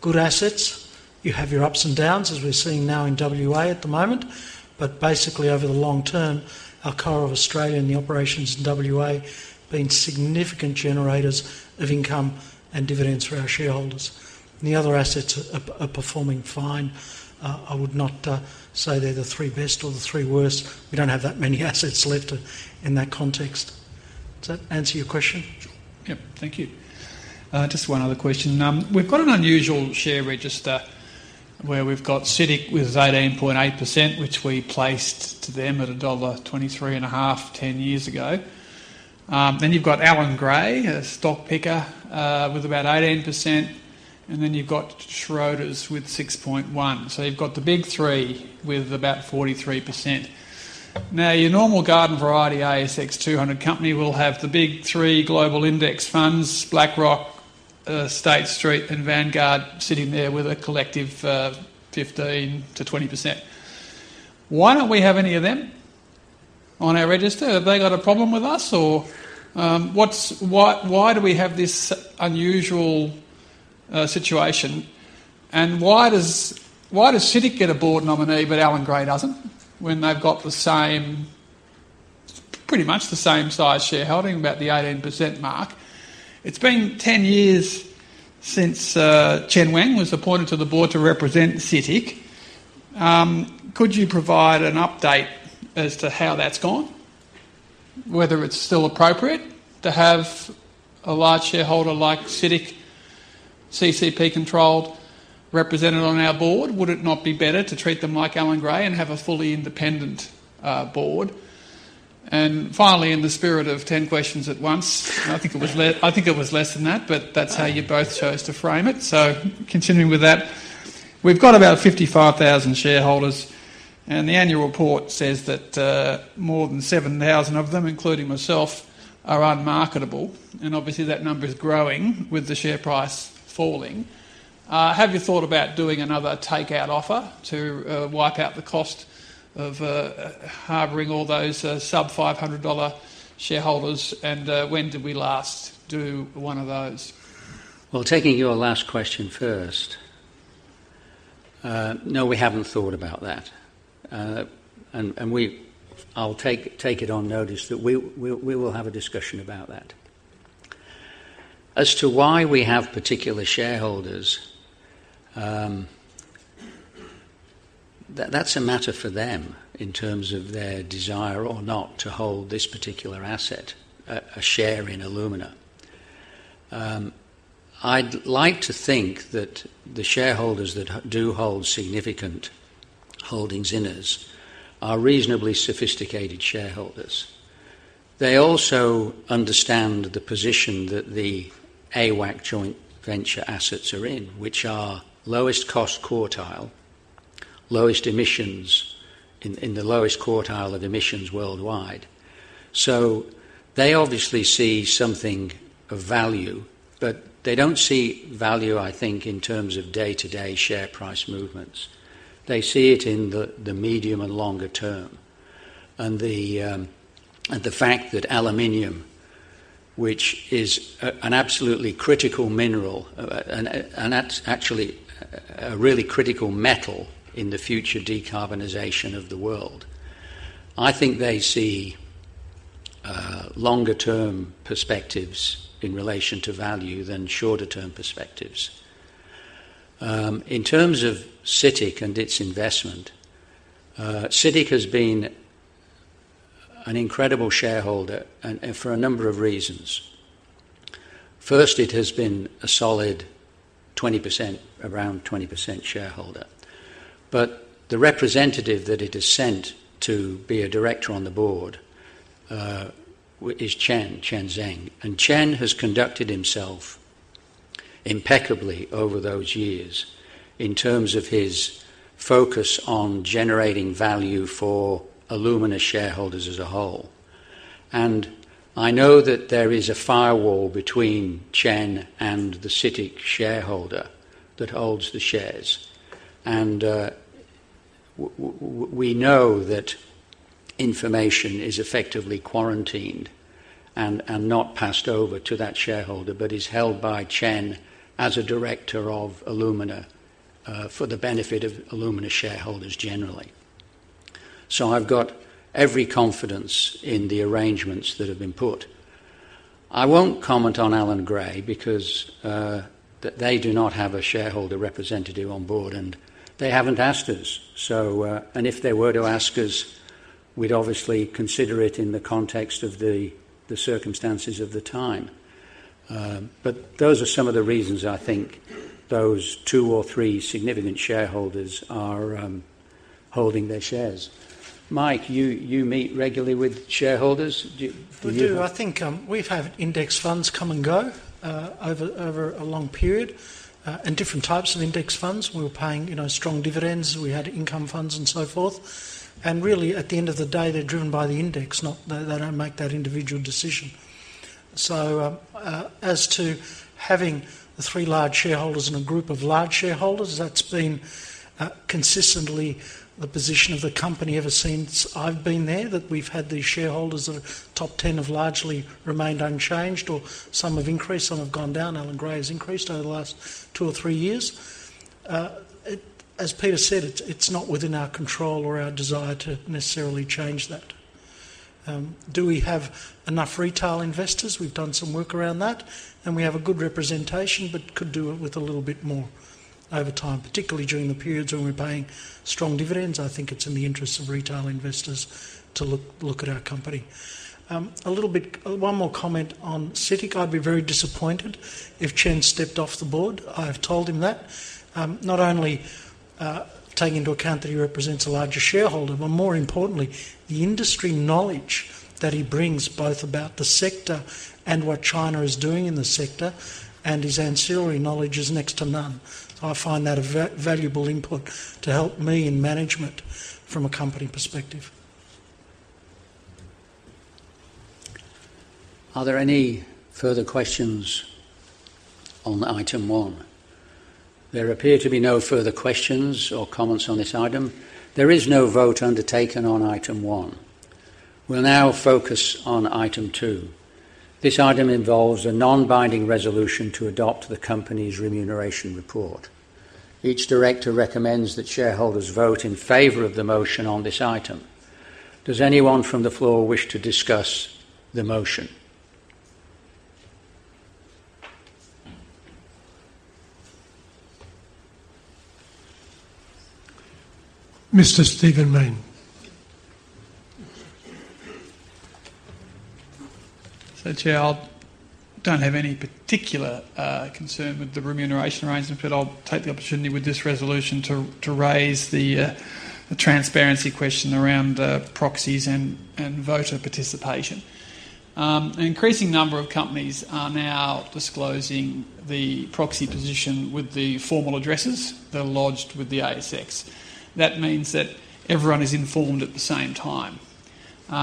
good assets. You have your ups and downs, as we're seeing now in WA at the moment, but basically, over the long term, Alcoa of Australia and the operations in WA have been significant generators of income and dividends for our shareholders. The other assets are performing fine. I would not say they're the three best or the three worst. We don't have that many assets left in that context. Does that answer your question? Yep. Thank you. Just one other question. We've got an unusual share register, where we've got CITIC with 18.8%, which we placed to them at $1.235, 10 years ago. You've got Allan Gray, a stock picker, with about 18%, and you've got Schroders with 6.1%. You've got the big three with about 43%. Your normal garden variety ASX 200 company will have the big three global index funds, BlackRock, State Street, and Vanguard, sitting there with a collective, 15%-20%. Why don't we have any of them on our register? Have they got a problem with us or, what's, why do we have this unusual situation? Why does CITIC get a board nominee, but Allan Gray doesn't, when they've got the same, pretty much the same size shareholding, about the 18% mark? It's been 10 years since Chen Zeng was appointed to the board to represent CITIC. Could you provide an update as to how that's gone? Whether it's still appropriate to have a large shareholder like CITIC, CCP-controlled, represented on our board? Would it not be better to treat them like Allan Gray and have a fully independent board? Finally, in the spirit of 10 questions at once, I think it was less than that, but that's how you both chose to frame it. Continuing with that, we've got about 55,000 shareholders. The annual report says that more than 7,000 of them, including myself, are unmarketable. Obviously, that number is growing with the share price falling. Have you thought about doing another takeout offer to wipe out the cost of harboring all those sub $500 shareholders? When did we last do one of those? Well, taking your last question first, no, we haven't thought about that. I'll take it on notice that we will have a discussion about that. As to why we have particular shareholders, that's a matter for them in terms of their desire or not to hold this particular asset, a share in Alumina. I'd like to think that the shareholders that do hold significant holdings in us are reasonably sophisticated shareholders. They also understand the position that the AWAC joint venture assets are in, which are lowest cost quartile, lowest emissions, in the lowest quartile of emissions worldwide. They obviously see something of value, but they don't see value, I think, in terms of day-to-day share price movements. They see it in the medium and longer term, and the fact that aluminum, which is an absolutely critical mineral, and that's actually a really critical metal in the future decarbonization of the world. I think they see longer term perspectives in relation to value than shorter term perspectives. In terms of CITIC and its investment, CITIC has been an incredible shareholder, and for a number of reasons. First, it has been a solid 20%, around 20% shareholder, but the representative that it has sent to be a Director on the board, is Chen Zeng, and Chen has conducted himself impeccably over those years in terms of his focus on generating value for Alumina shareholders as a whole. I know that there is a firewall between Chen and the CITIC shareholder that holds the shares, we know that information is effectively quarantined and not passed over to that shareholder, but is held by Chen as a Director of Alumina, for the benefit of Alumina shareholders generally. I've got every confidence in the arrangements that have been put. I won't comment on Allan Gray because they do not have a shareholder representative on board, and they haven't asked us. If they were to ask us, we'd obviously consider it in the context of the circumstances of the time. Those are some of the reasons I think those two or three significant shareholders are holding their shares. Mike, you meet regularly with shareholders? We do. I think, we've had index funds come and go, over a long period, and different types of index funds. We were paying, you know, strong dividends. We had income funds and so forth, and really, at the end of the day, they're driven by the index, not. They don't make that individual decision. As to having the three large shareholders and a group of large shareholders, that's been consistently the position of the company ever since I've been there, that we've had these shareholders. The top 10 have largely remained unchanged, or some have increased, some have gone down. Allan Gray has increased over the last two or three years. It, as Peter said, it's not within our control or our desire to necessarily change that. Do we have enough retail investors? We've done some work around that, and we have a good representation, but could do it with a little bit more over time, particularly during the periods when we're paying strong dividends. I think it's in the interests of retail investors to look at our company. one more comment on CITIC. I'd be very disappointed if Chen stepped off the board. I have told him that, not only taking into account that he represents a larger shareholder, but more importantly, the industry knowledge that he brings, both about the sector and what China is doing in the sector, and his ancillary knowledge is next to none. I find that a valuable input to help me in management from a company perspective. Are there any further questions on item one? There appear to be no further questions or comments on this item. There is no vote undertaken on item one. We'll now focus on item two. This item involves a non-binding resolution to adopt the company's remuneration report. Each Director recommends that shareholders vote in favor of the motion on this item. Does anyone from the floor wish to discuss the motion? Mr. Stephen Mayne. Chair, I don't have any particular concern with the remuneration arrangement, but I'll take the opportunity with this resolution to raise the transparency question around proxies and voter participation. An increasing number of companies are now disclosing the proxy position with the formal addresses that are lodged with the ASX. That means that everyone is informed at the same time. You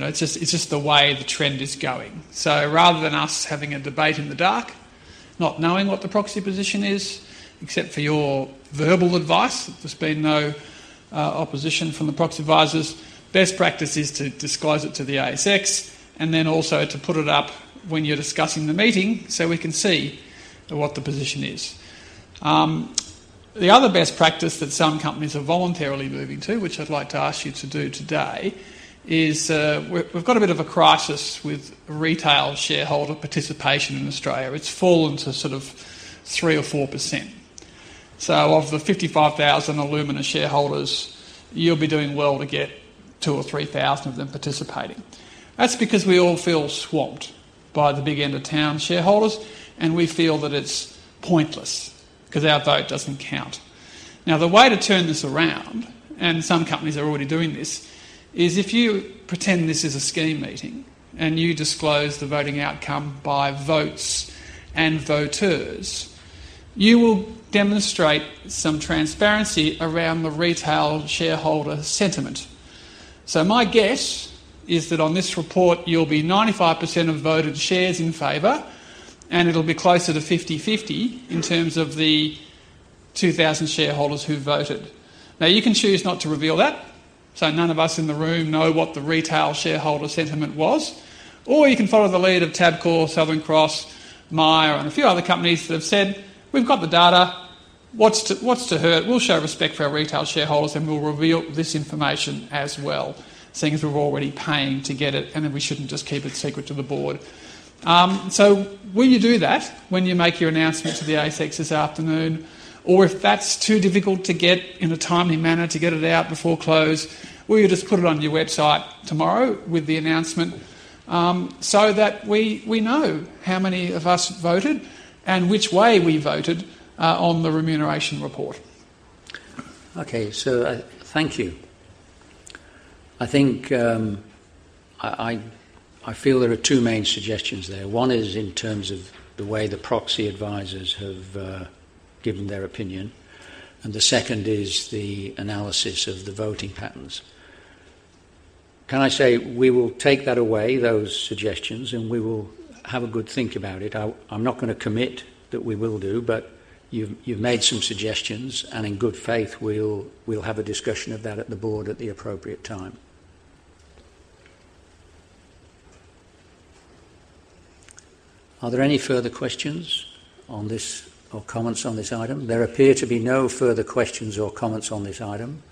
know, it's just the way the trend is going. Rather than us having a debate in the dark, not knowing what the proxy position is, except for your verbal advice, there's been no opposition from the proxy advisors. Best practice is to disclose it to the ASX and then also to put it up when you're discussing the meeting so we can see what the position is. The other best practice that some companies are voluntarily moving to, which I'd like to ask you to do today, is we've got a bit of a crisis with retail shareholder participation in Australia. It's fallen to sort of 3% or 4%. Of the 55,000 Alumina shareholders, you'll be doing well to get 2,000 or 3,000 of them participating. That's because we all feel swamped by the big end of town shareholders, and we feel that it's pointless because our vote doesn't count. The way to turn this around, and some companies are already doing this, is if you pretend this is a scheme meeting and you disclose the voting outcome by votes and voters, you will demonstrate some transparency around the retail shareholder sentiment. My guess is that on this report, you'll be 95% of voted shares in favor, and it'll be closer to 50/50 in terms of the 2,000 shareholders who voted. You can choose not to reveal that, so none of us in the room know what the retail shareholder sentiment was, or you can follow the lead of Tabcorp, Southern Cross, Myer, and a few other companies that have said, "We've got the data. What's to hurt? We'll show respect for our retail shareholders, and we'll reveal this information as well, seeing as we're already paying to get it, and then we shouldn't just keep it secret to the board." Will you do that when you make your announcement to the ASX this afternoon? If that's too difficult to get in a timely manner to get it out before close, will you just put it on your website tomorrow with the announcement, so that we know how many of us voted and which way we voted, on the remuneration report? Thank you. I feel there are two main suggestions there. One is in terms of the way the proxy advisors have given their opinion. The second is the analysis of the voting patterns. Can I say we will take that away, those suggestions, and we will have a good think about it. I'm not gonna commit that we will do, but you've made some suggestions. In good faith, we'll have a discussion of that at the board at the appropriate time. Are there any further questions on this or comments on this item? There appear to be no further questions or comments on this item.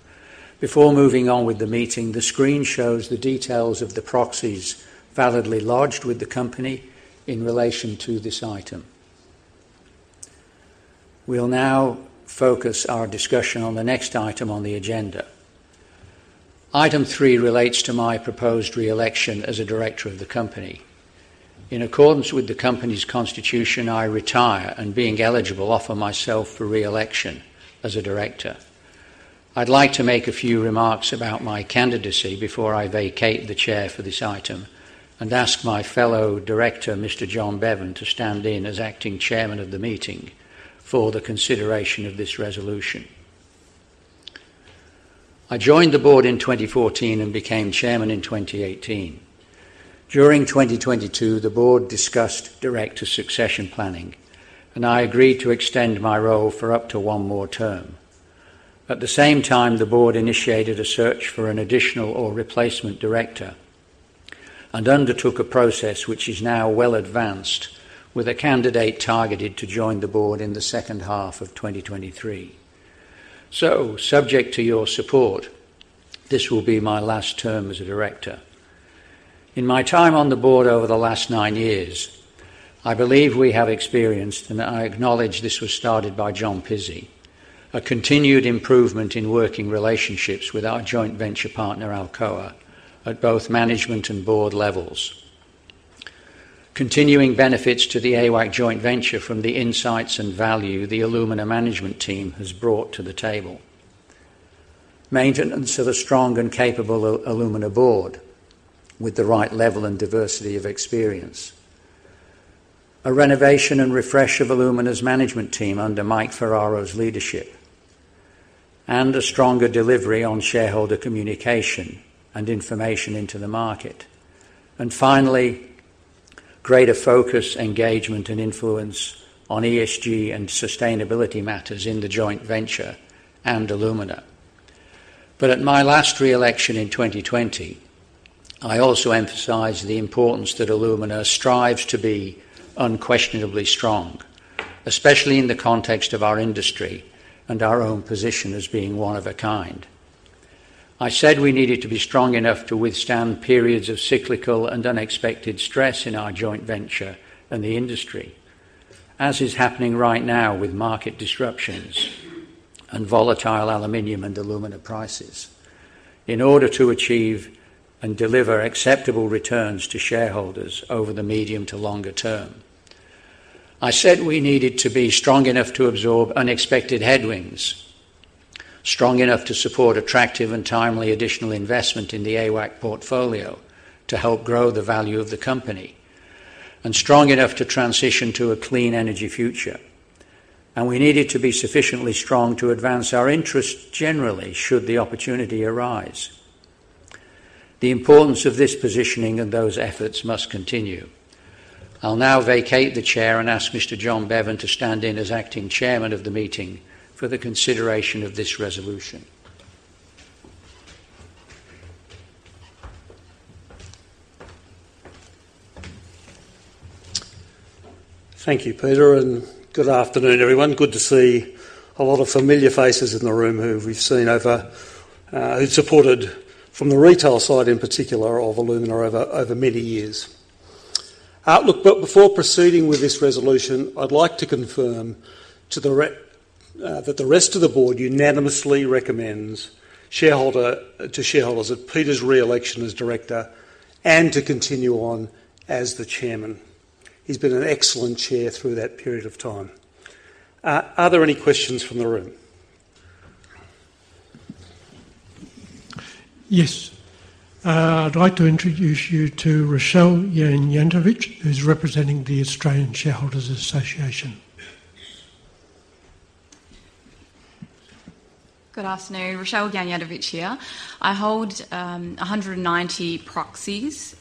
Before moving on with the meeting, the screen shows the details of the proxies validly lodged with the company in relation to this item. We'll now focus our discussion on the next item on the agenda. Item three relates to my proposed re-election as a Director of the company. In accordance with the company's constitution, I retire, being eligible, offer myself for re-election as a director. I'd like to make a few remarks about my candidacy before I vacate the chair for this item and ask my fellow director, Mr. John Bevan, to stand in as Acting Chairman of the meeting for the consideration of this resolution. I joined the board in 2014 and became chairman in 2018. During 2022, the board discussed Director succession planning, I agreed to extend my role for up to one more term. The same time, the board initiated a search for an additional or replacement Director and undertook a process which is now well advanced with a candidate targeted to join the board in the second half of 2023. Subject to your support, this will be my last term as a director. In my time on the board over the last nine years, I believe we have experienced, and I acknowledge this was started by John Pizzey, a continued improvement in working relationships with our joint venture partner, Alcoa, at both management and board levels. Continuing benefits to the AWAC joint venture from the insights and value the Alumina management team has brought to the table. Maintenance of a strong and capable Alumina board with the right level and diversity of experience. A renovation and refresh of Alumina's management team under Mike Ferraro's leadership, and a stronger delivery on shareholder communication and information into the market. Finally, greater focus, engagement, and influence on ESG and sustainability matters in the joint venture and Alumina. At my last re-election in 2020, I also emphasized the importance that Alumina strives to be unquestionably strong, especially in the context of our industry and our own position as being one of a kind. I said we needed to be strong enough to withstand periods of cyclical and unexpected stress in our joint venture and the industry, as is happening right now with market disruptions and volatile aluminum and alumina prices, in order to achieve and deliver acceptable returns to shareholders over the medium to longer term. I said we needed to be strong enough to absorb unexpected headwinds, strong enough to support attractive and timely additional investment in the AWAC portfolio to help grow the value of the company, and strong enough to transition to a clean energy future. We needed to be sufficiently strong to advance our interests generally, should the opportunity arise. The importance of this positioning and those efforts must continue. I'll now vacate the chair and ask Mr. John Bevan to stand in as acting Chairman of the meeting for the consideration of this resolution. Thank you, Peter. Good afternoon, everyone. Good to see a lot of familiar faces in the room who we've seen over, who supported from the retail side, in particular, of Alumina over many years. Look, before proceeding with this resolution, I'd like to confirm that the rest of the board unanimously recommends to shareholders Peter's re-election as Director and to continue on as the Chairman. He's been an excellent Chair through that period of time. Are there any questions from the room? Yes. I'd like to introduce you to Rochelle Janjanic, who's representing the Australian Shareholders' Association. Good afternoon. Rochelle Janjanic here. I hold 190 proxies,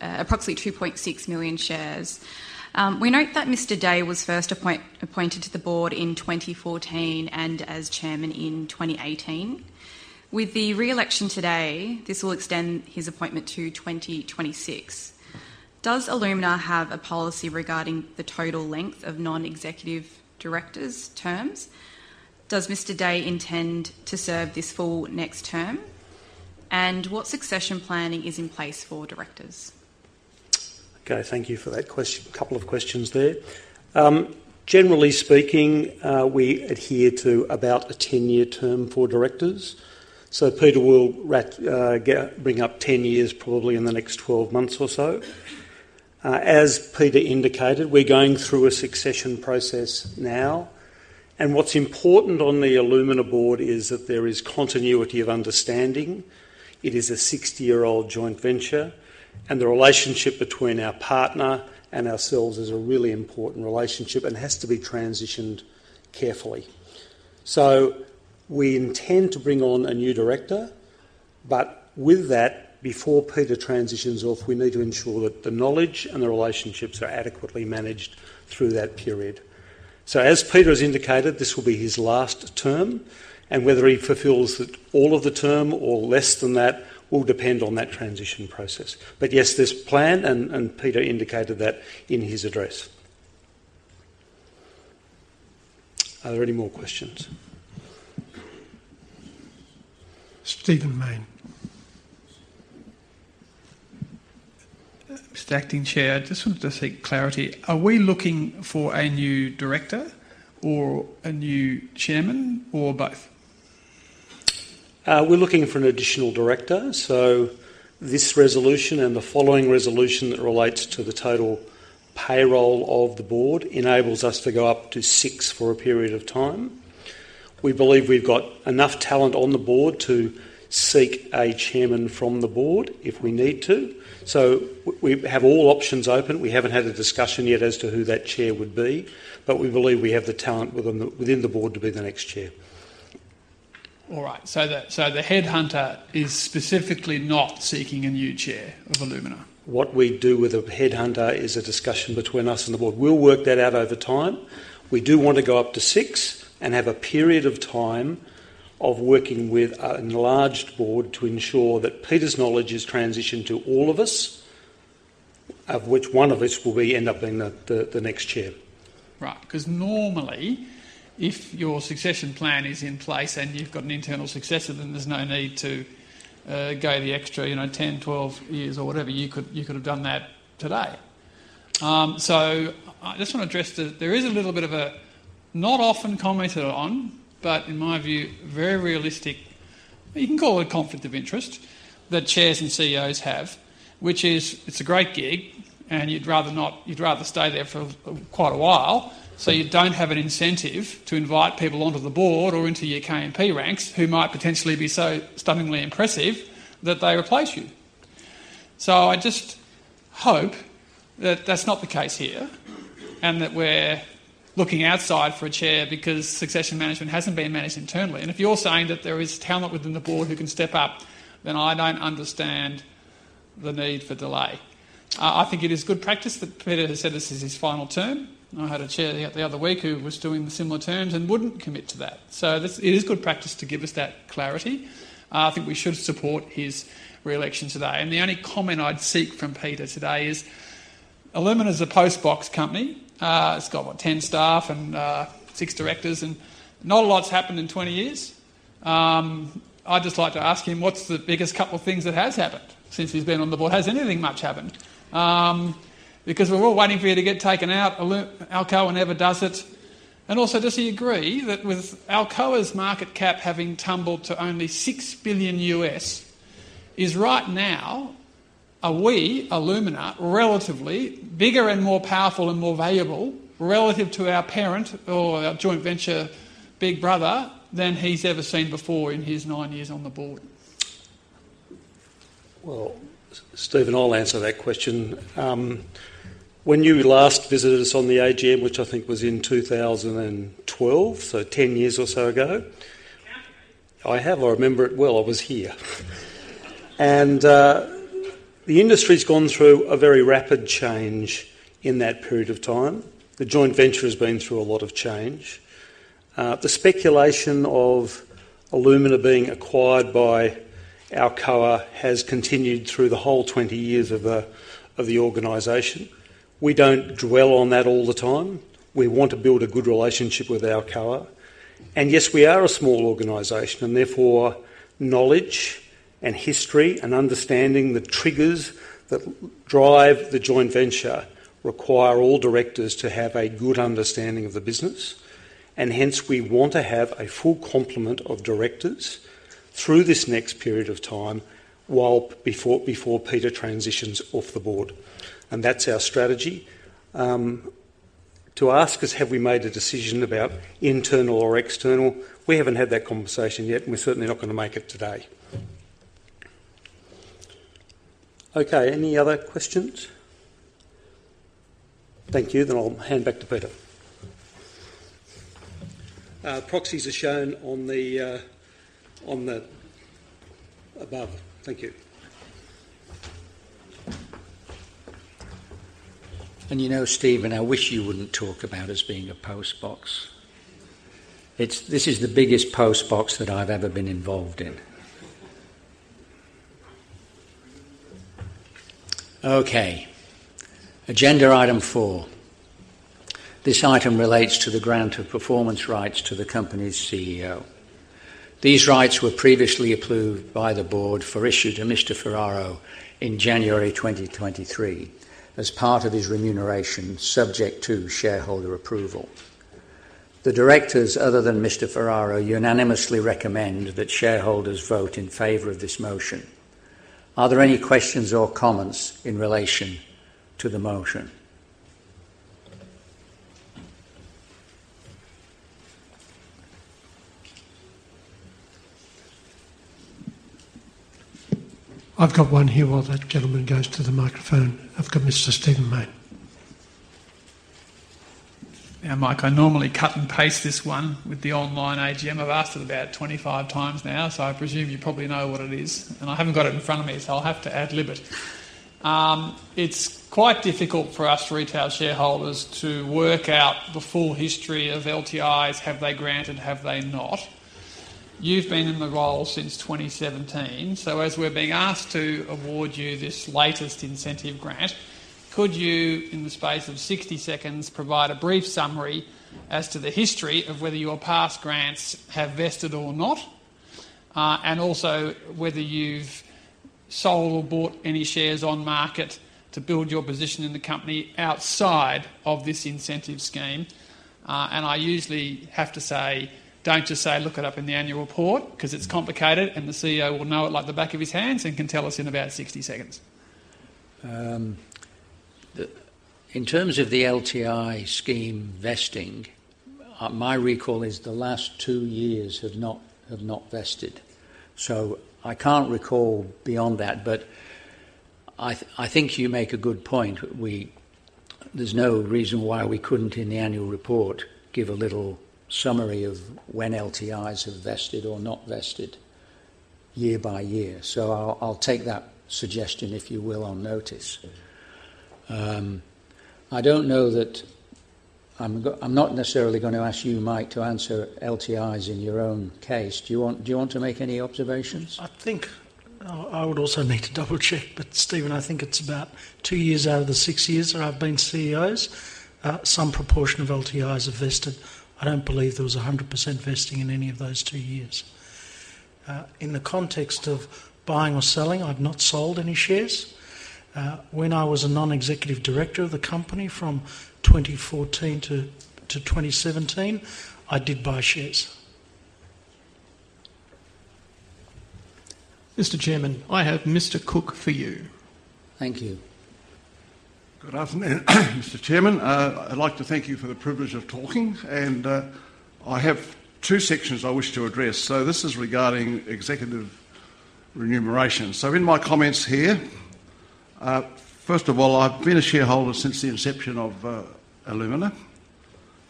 approximately 2.6 million shares. We note that Mr. Day was first appointed to the board in 2014, and as Chairman in 2018. With the re-election today, this will extend his appointment to 2026. Does Alumina have a policy regarding the total length of Non-Executive Directors' terms? Does Mr. Day intend to serve this full next term? What succession planning is in place for Directors? Okay, thank you for that couple of questions there. Generally speaking, we adhere to about a 10-year term for Directors. Peter will bring up 10 years, probably in the next 12 months or so. As Peter indicated, we're going through a succession process now, and what's important on the Alumina board is that there is continuity of understanding. It is a 60-year-old joint venture, and the relationship between our partner and ourselves is a really important relationship and has to be transitioned carefully. We intend to bring on a new director, but with that, before Peter transitions off, we need to ensure that the knowledge and the relationships are adequately managed through that period. As Peter has indicated, this will be his last term, and whether he fulfills it, all of the term or less than that, will depend on that transition process. Yes, there's plan, and Peter indicated that in his address. Are there any more questions? Stephen Mayne. Mr. Acting Chair, I just wanted to seek clarity. Are we looking for a new Director or a new Chairman or both? We're looking for an additional Director, this resolution and the following resolution that relates to the total payroll of the board enables us to go up to six for a period of time. We believe we've got enough talent on the board to seek a Chairman from the board if we need to. We have all options open. We haven't had a discussion yet as to who that Chair would be, but we believe we have the talent within the board to be the next chair. All right. The headhunter is specifically not seeking a new Chair of Alumina? What we do with a headhunter is a discussion between us and the board. We'll work that out over time. We do want to go up to six and have a period of time of working with an enlarged board to ensure that Peter's knowledge is transitioned to all of us, of which one of us will be, end up being the next chair. Right. Normally, if your succession plan is in place and you've got an internal successor, there's no need to go the extra, you know, 10, 12 years or whatever. You could have done that today. I just want to address the. There is a little bit of a not often commented on, but in my view, very realistic, you can call it conflict of interest, that chairs and CEOs have, which is it's a great gig and you'd rather stay there for quite a while. You don't have an incentive to invite people onto the board or into your KMP ranks who might potentially be so stunningly impressive that they replace you. I just hope that that's not the case here, and that we're looking outside for a Chair because succession management hasn't been managed internally. If you're saying that there is talent within the board who can step up, then I don't understand the need for delay. I think it is good practice that Peter has said this is his final term. I had a Chair the other week who was doing the similar terms and wouldn't commit to that. It is good practice to give us that clarity. I think we should support his re-election today. The only comment I'd seek from Peter today is, Alumina is a postbox company. It's got, what? 10 staff and, six Directors, and not a lot's happened in 20 years. I'd just like to ask him, what's the biggest couple of things that has happened since he's been on the board? Has anything much happened? We're all waiting for you to get taken out, Alcoa never does it. Does he agree that with Alcoa's market cap having tumbled to only $6 billion, is right now, are we, Alumina, relatively bigger and more powerful and more valuable relative to our parent or our joint venture big brother, than he's ever seen before in his nine years on the board? Well, Stephen, I'll answer that question. When you last visited us on the AGM, which I think was in 2012, so 10 years or so ago. I have been. I have. I remember it well. I was here. The industry's gone through a very rapid change in that period of time. The joint venture has been through a lot of change. The speculation of Alumina being acquired by Alcoa has continued through the whole 20 years of the organization. We don't dwell on that all the time. We want to build a good relationship with Alcoa. Yes, we are a small organization, and therefore, knowledge, and history, and understanding the triggers that drive the joint venture require all Directors to have a good understanding of the business, and hence, we want to have a full complement of Directors through this next period of time, while before Peter transitions off the board, and that's our strategy. To ask us, have we made a decision about internal or external? We haven't had that conversation yet, and we're certainly not going to make it today. Okay, any other questions? Thank you. I'll hand back to Peter. Proxies are shown on the, on the above. Thank you. You know, Stephen, I wish you wouldn't talk about us being a postbox. This is the biggest postbox that I've ever been involved in. Okay, agenda item four. This item relates to the grant of performance rights to the company's CEO. These rights were previously approved by the board for issue to Mr. Ferraro in January 2023, as part of his remuneration, subject to shareholder approval. The Directors, other than Mr. Ferraro, unanimously recommend that shareholders vote in favor of this motion. Are there any questions or comments in relation to the motion? I've got one here while that gentleman goes to the microphone. I've got Mr. Stephen Mayne. Yeah, Mike, I normally cut and paste this one with the online AGM. I've asked it about 25 times now, I presume you probably know what it is, and I haven't got it in front of me, I'll have to ad lib it. It's quite difficult for us retail shareholders to work out the full history of LTIs. Have they granted, have they not? You've been in the role since 2017, as we're being asked to award you this latest incentive grant, could you, in the space of 60 seconds, provide a brief summary as to the history of whether your past grants have vested or not, and also whether you've sold or bought any shares on market to build your position in the company outside of this incentive scheme. I usually have to say, "Don't just say, look it up in the annual report," 'cause it's complicated, and the CEO will know it like the back of his hands and can tell us in about 60 seconds. The, in terms of the LTI scheme vesting, my recall is the last two years have not vested. I can't recall beyond that, but I think you make a good point. There's no reason why we couldn't, in the annual report, give a little summary of when LTIs have vested or not vested year by year. I'll take that suggestion, if you will, on notice. I don't know that... I'm not necessarily going to ask you, Mike, to answer LTIs in your own case. Do you want to make any observations? I think, I would also need to double-check, but Stephen, I think it's about two years out of the six years that I've been CEO, some proportion of LTIs have vested. I don't believe there was 100% vesting in any of those two years. In the context of buying or selling, I've not sold any shares. When I was a Non-Executive Director of the company from 2014 to 2017, I did buy shares. Mr. Chairman, I have Mr. Cook for you. Thank you. Good afternoon, Mr. Chairman. I'd like to thank you for the privilege of talking, I have two sections I wish to address. This is regarding executive remuneration. In my comments here, first of all, I've been a shareholder since the inception of Alumina.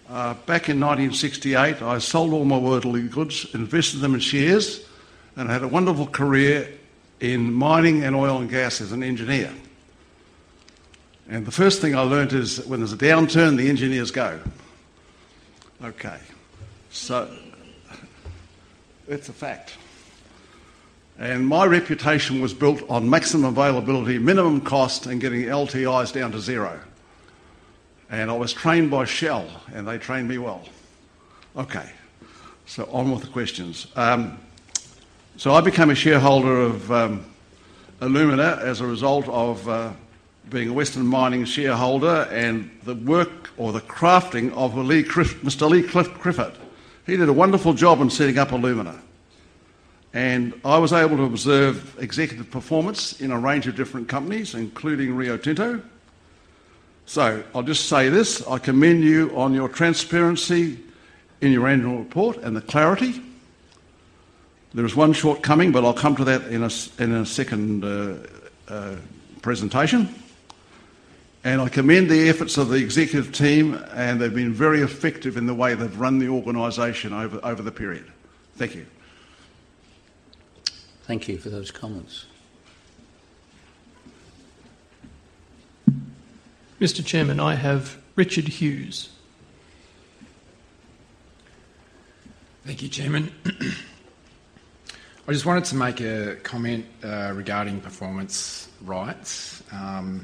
Back in 1968, I sold all my worldly goods, invested them in shares, and had a wonderful career in mining and oil and gas as an engineer. The first thing I learned is, when there's a downturn, the engineers go. Okay, it's a fact. My reputation was built on maximum availability, minimum cost, and getting LTIs down to zero. I was trained by Shell, and they trained me well. Okay, on with the questions. I became a shareholder of Alumina as a result of being a Western Mining shareholder and the work or the crafting of Mr. Leigh Clifford. He did a wonderful job in setting up Alumina, and I was able to observe executive performance in a range of different companies, including Rio Tinto. I'll just say this: I commend you on your transparency in your annual report and the clarity. There is one shortcoming, but I'll come to that in a second presentation. I commend the efforts of the executive team, and they've been very effective in the way they've run the organization over the period. Thank you. Thank you for those comments. Mr. Chairman, I have Richard Hughes. Thank you, Chairman. I just wanted to make a comment, regarding performance rights, and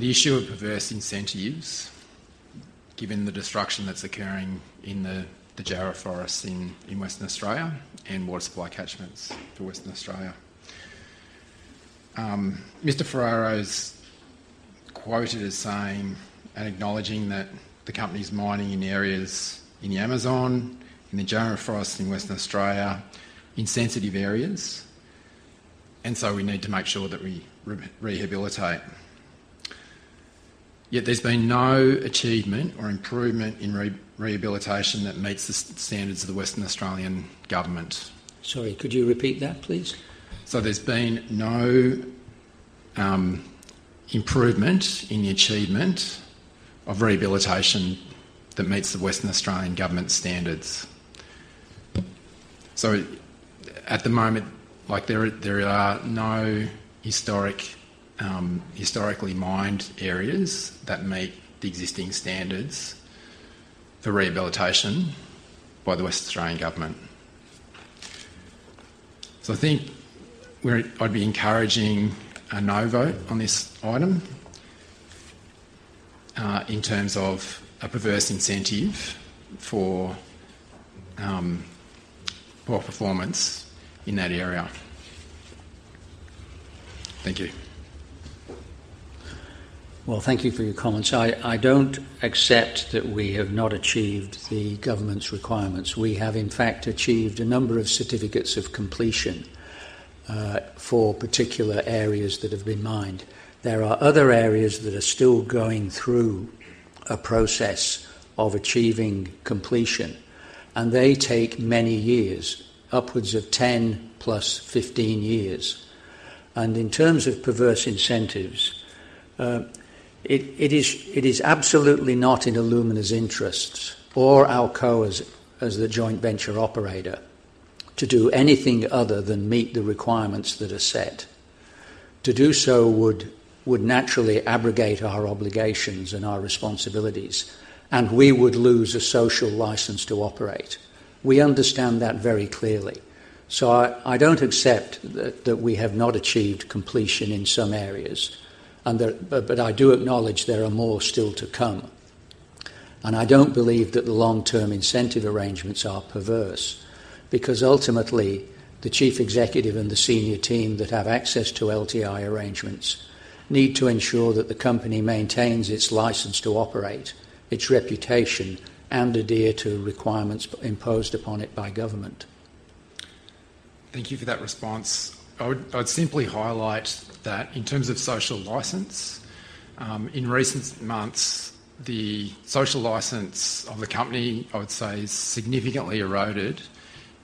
the issue of perverse incentives, given the destruction that's occurring in the Jarrah forests in Western Australia and water supply catchments for Western Australia. Mr. Ferraro is quoted as saying and acknowledging that the company's mining in areas in the Amazon, in the Jarrah forests in Western Australia, in sensitive areas, and so we need to make sure that we rehabilitate. Yet there's been no achievement or improvement in rehabilitation that meets the standards of the Western Australian Government. Sorry, could you repeat that, please? There's been no improvement in the achievement of rehabilitation that meets the Western Australian Government standards. At the moment, like, there are no historic, historically mined areas that meet the existing standards for rehabilitation by the Western Australian Government. I think I'd be encouraging a 'no' vote on this item, in terms of a perverse incentive for poor performance in that area. Thank you. Well, thank you for your comments. I don't accept that we have not achieved the government's requirements. We have, in fact, achieved a number of certificates of completion for particular areas that have been mined. There are other areas that are still going through a process of achieving completion, they take many years, upwards of 10+, 15 years. In terms of perverse incentives, it is absolutely not in Alumina's interests or Alcoa's as the joint venture operator, to do anything other than meet the requirements that are set. To do so would naturally abrogate our obligations and our responsibilities, and we would lose a social license to operate. We understand that very clearly. I don't accept that we have not achieved completion in some areas, and there... I do acknowledge there are more still to come. I don't believe that the long-term incentive arrangements are perverse, because ultimately, the chief executive and the senior team that have access to LTI arrangements need to ensure that the company maintains its license to operate, its reputation, and adhere to requirements imposed upon it by government. Thank you for that response. I would simply highlight that in terms of social license, in recent months, the social license of the company, I would say, is significantly eroded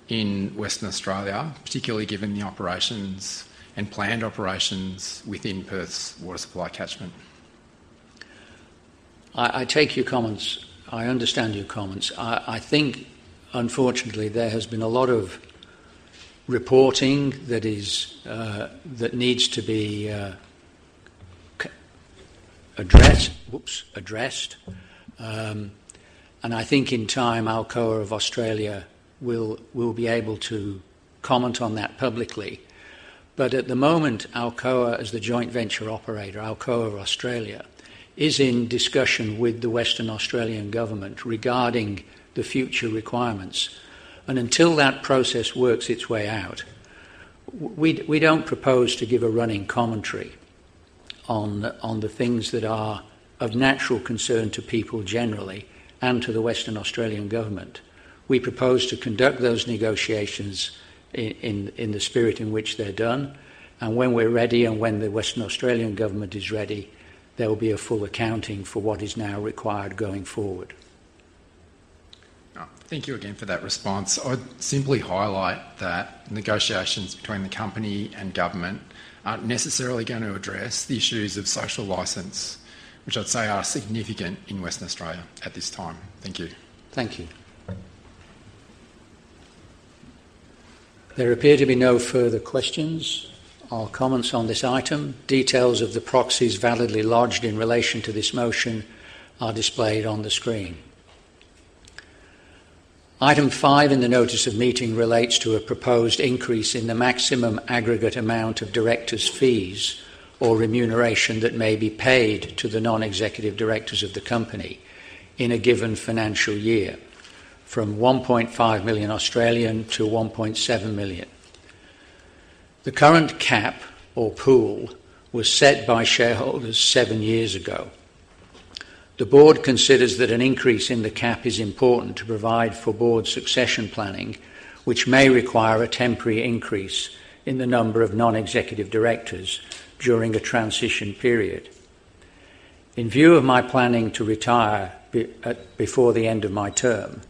in Western Australia, particularly given the operations and planned operations within Perth's water supply catchment. I take your comments. I understand your comments. I think, unfortunately, there has been a lot of reporting that is that needs to be addressed. I think in time, Alcoa of Australia will be able to comment on that publicly. At the moment, Alcoa, as the joint venture operator, Alcoa of Australia, is in discussion with the Western Australian Government regarding the future requirements. Until that process works its way out, we don't propose to give a running commentary on the things that are of natural concern to people generally and to the Western Australian Government. We propose to conduct those negotiations in the spirit in which they're done, and when we're ready, and when the Western Australian Government is ready, there will be a full accounting for what is now required going forward. Thank you again for that response. I would simply highlight that negotiations between the company and government aren't necessarily going to address the issues of social license, which I'd say are significant in Western Australia at this time. Thank you. Thank you. There appear to be no further questions or comments on this item. Details of the proxies validly lodged in relation to this motion are displayed on the screen. Item five in the notice of meeting relates to a proposed increase in the maximum aggregate amount of Directors' fees or remuneration that may be paid to the Non-Executive Directors of the company in a given financial year, from 1.5 million to 1.7 million. The current cap or pool was set by shareholders seven years ago. The board considers that an increase in the cap is important to provide for board succession planning, which may require a temporary increase in the number of Non-Executive Directors during a transition period. In view of my planning to retire before the end of my term,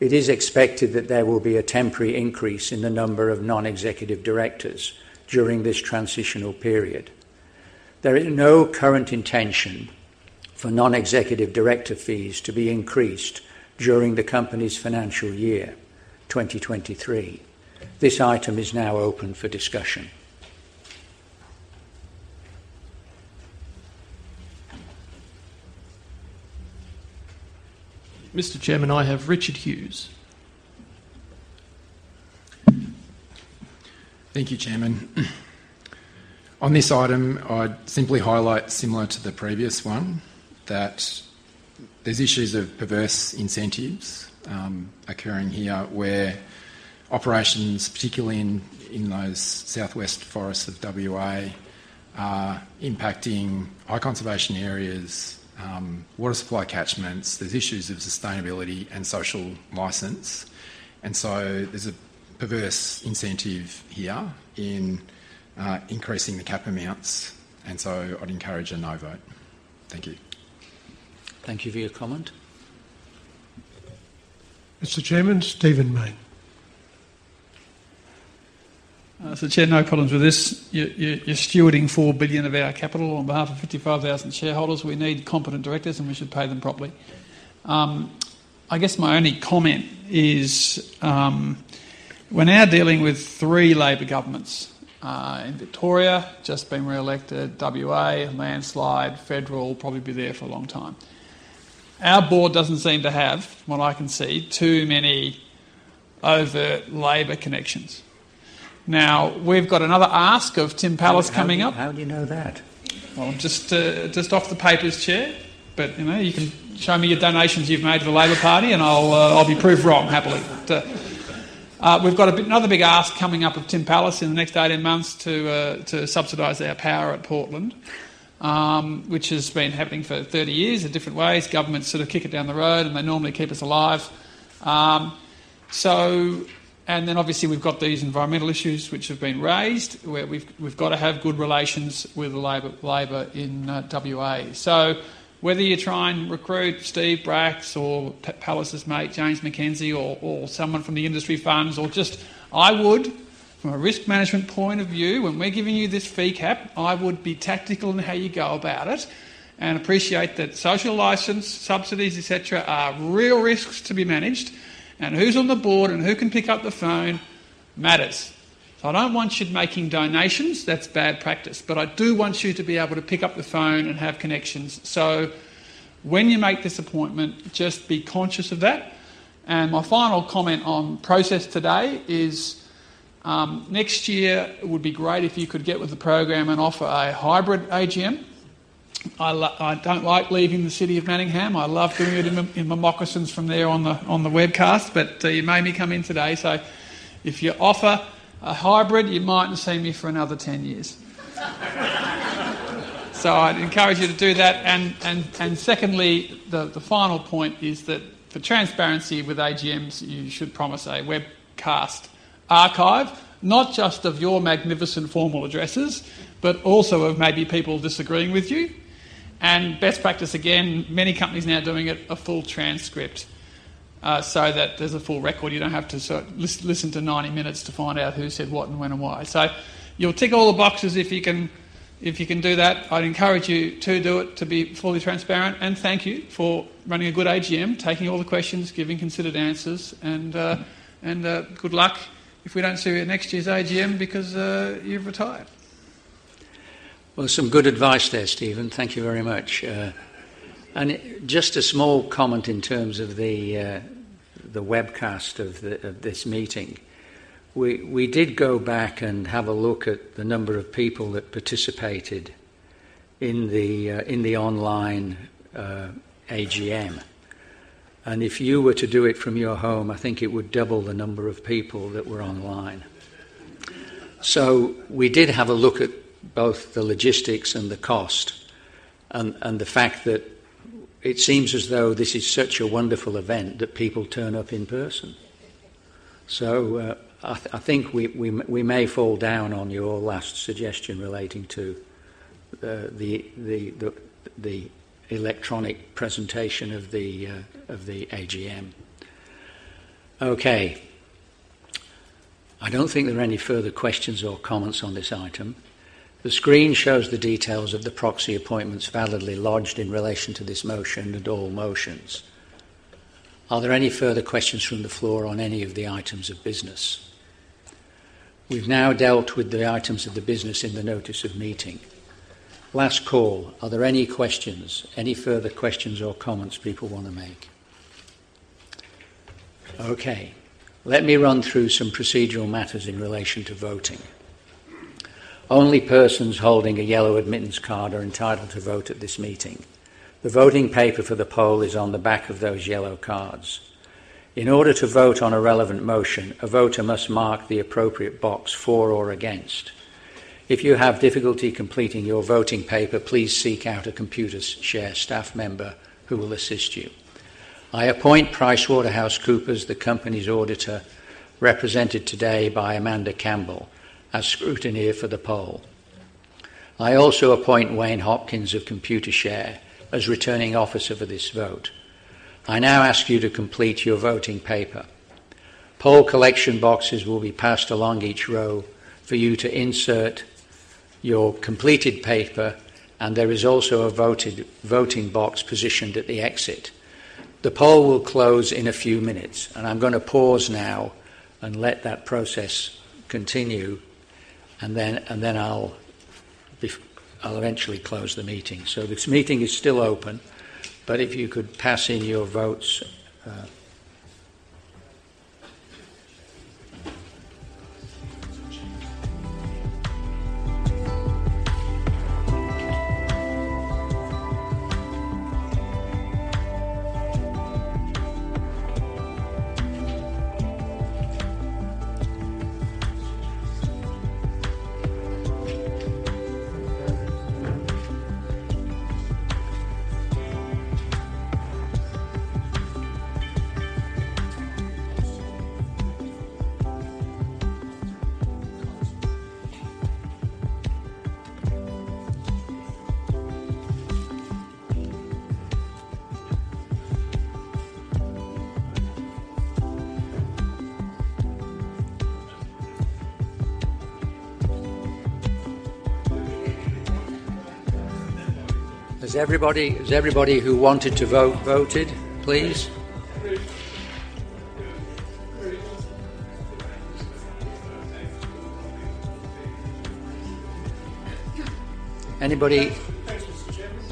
it is expected that there will be a temporary increase in the number of Non-Executive Directors during this transitional period. There is no current intention for Non-Executive Director fees to be increased during the company's financial year 2023. This item is now open for discussion. Mr. Chairman, I have Richard Hughes. Thank you, Chairman. On this item, I'd simply highlight, similar to the previous one, that there's issues of perverse incentives, occurring here, where operations, particularly in those southwest forests of WA, are impacting high conservation areas, water supply catchments. There's issues of sustainability and social license, there's a perverse incentive here in increasing the cap amounts, I'd encourage a 'no' vote. Thank you. Thank you for your comment. Mr. Chairman, Stephen Mayne. Chair, no problems with this. You're stewarding $4 billion of our capital on behalf of 55,000 shareholders. We need competent Directors, and we should pay them properly. I guess my only comment is, we're now dealing with three Labor governments, in Victoria, just been re-elected, WA, a landslide, federal, probably be there for a long time. Our board doesn't seem to have, from what I can see, too many overt Labor connections. We've got another ask of Tim Pallas coming up. How do you know that? Well, just off the papers, Chair. You know, you can show me your donations you've made to the Labor Party. I'll be proved wrong, happily. We've got a big, another big ask coming up with Tim Pallas in the next 18 months to subsidise our power at Portland, which has been happening for 30 years in different ways. Governments sort of kick it down the road, and they normally keep us alive. Obviously, we've got these environmental issues which have been raised, where we've got to have good relations with the Labor in, WA. Whether you try and recruit Steve Bracks or Pallas's mate, James MacKenzie, or someone from the industry firms or just.. I would, from a risk management point of view, when we're giving you this fee cap, I would be tactical in how you go about it and appreciate that social license, subsidies, et cetera, are real risks to be managed, and who's on the board and who can pick up the phone matters. I don't want you making donations, that's bad practice, but I do want you to be able to pick up the phone and have connections. When you make this appointment, just be conscious of that. My final comment on process today is, next year, it would be great if you could get with the program and offer a hybrid AGM. I don't like leaving the city of Manningham. I love doing it in my moccasins from there on the, on the webcast, but you made me come in today. If you offer a hybrid, you mightn't see me for another 10 years. I'd encourage you to do that, and secondly, the final point is that for transparency with AGMs, you should promise a webcast archive, not just of your magnificent formal addresses, but also of maybe people disagreeing with you. Best practice, again, many companies are now doing it, a full transcript, so that there's a full record. You don't have to sort of listen to 90 minutes to find out who said what and when and why. You'll tick all the boxes if you can, if you can do that. I'd encourage you to do it, to be fully transparent, and thank you for running a good AGM, taking all the questions, giving considered answers, and good luck if we don't see you at next year's AGM because you've retired. Well, some good advice there, Stephen Mayne. Thank you very much. Just a small comment in terms of the webcast of this meeting. We did go back and have a look at the number of people that participated in the online AGM. If you were to do it from your home, I think it would double the number of people that were online. We did have a look at both the logistics and the cost, and the fact that it seems as though this is such a wonderful event that people turn up in person. I think we may fall down on your last suggestion relating to the electronic presentation of the AGM. Okay. I don't think there are any further questions or comments on this item. The screen shows the details of the proxy appointments validly lodged in relation to this motion and all motions. Are there any further questions from the floor on any of the items of business? We've now dealt with the items of the business in the notice of meeting. Last call, are there any questions, any further questions or comments people want to make? Let me run through some procedural matters in relation to voting. Only persons holding a yellow admittance card are entitled to vote at this meeting. The voting paper for the poll is on the back of those yellow cards. In order to vote on a relevant motion, a voter must mark the appropriate box for or against. If you have difficulty completing your voting paper, please seek out a Computershare staff member, who will assist you. I appoint PricewaterhouseCoopers, the company's auditor, represented today by Amanda Campbell, as scrutineer for the poll. I also appoint Wayne Hopkins of Computershare as Returning Officer for this vote. I now ask you to complete your voting paper. Poll collection boxes will be passed along each row for you to insert your completed paper, and there is also a voted, voting box positioned at the exit. The poll will close in a few minutes, and I'm gonna pause now and let that process continue, and then I'll eventually close the meeting. This meeting is still open, but if you could pass in your votes. Has everybody who wanted to vote, voted, please? Anybody.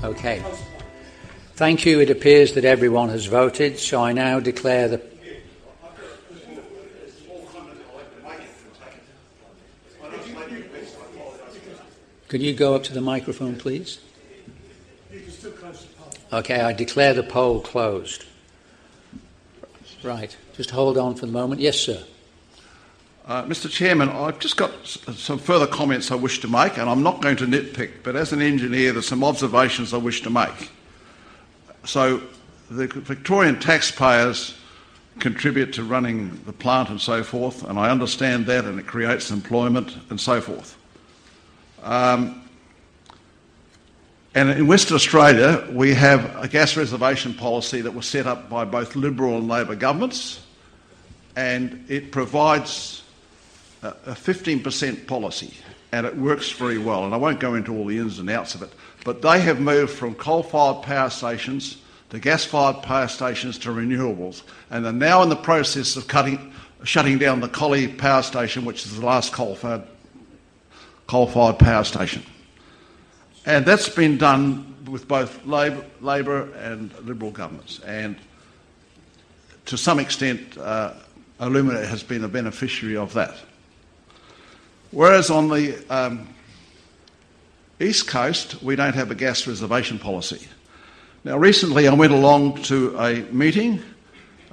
Okay. Thank you. It appears that everyone has voted, so I now declare. Could you go up to the microphone, please? You can still close the poll. Okay, I declare the poll closed. Right. Just hold on for the moment. Yes, sir. Mr. Chairman, I've just got some further comments I wish to make, and I'm not going to nitpick, but as an engineer, there are some observations I wish to make. The Victorian taxpayers contribute to running the plant and so forth. I understand that, and it creates employment, and so forth. In Western Australia, we have a gas reservation policy that was set up by both Liberal and Labor governments, and it provides a 15% policy, and it works very well. I won't go into all the ins and outs of it. They have moved from coal-fired power stations to gas-fired power stations to renewables, and are now in the process of shutting down the Collie Power Station, which is the last coal-fired power station. That's been done with both Labor and Liberal governments, and to some extent, Alumina has been a beneficiary of that. Whereas on the East Coast, we don't have a gas reservation policy. Recently, I went along to a meeting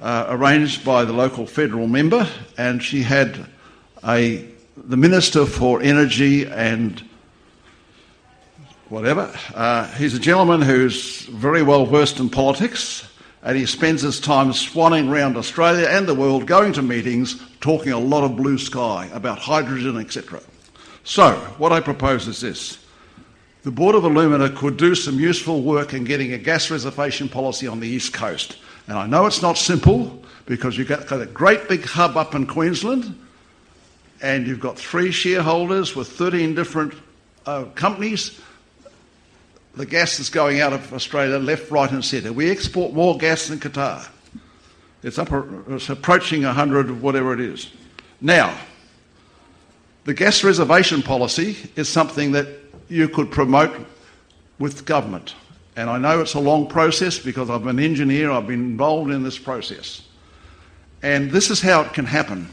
arranged by the local federal member, and she had the Minister for Energy and whatever. He's a gentleman who's very well-versed in politics, and he spends his time swanning around Australia and the world, going to meetings, talking a lot of blue sky about hydrogen, et cetera. What I propose is this: the Board of Alumina could do some useful work in getting a gas reservation policy on the East Coast. I know it's not simple because you've got a great big hub up in Queensland, and you've got three shareholders with 13 different companies. The gas is going out of Australia left, right, and center. We export more gas than Qatar. It's approaching 100, whatever it is. Now, the gas reservation policy is something that you could promote with government, and I know it's a long process because I'm an engineer, I've been involved in this process. This is how it can happen.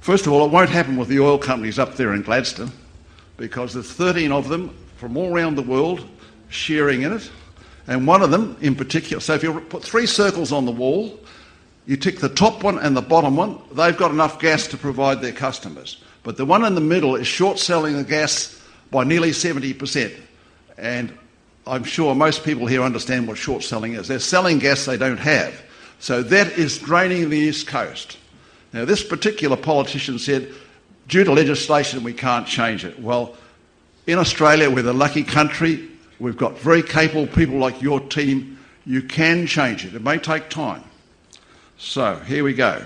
First of all, it won't happen with the oil companies up there in Gladstone, because there's 13 of them from all around the world sharing in it, and one of them in particular, so if you put three circles on the wall, you tick the top one and the bottom one, they've got enough gas to provide their customers. The one in the middle is short-selling the gas by nearly 70%, and I'm sure most people here understand what short-selling is. They're selling gas they don't have, so that is draining the East Coast. This particular politician said, "Due to legislation, we can't change it." In Australia, we're the lucky country. We've got very capable people like your team. You can change it. It may take time. Here we go.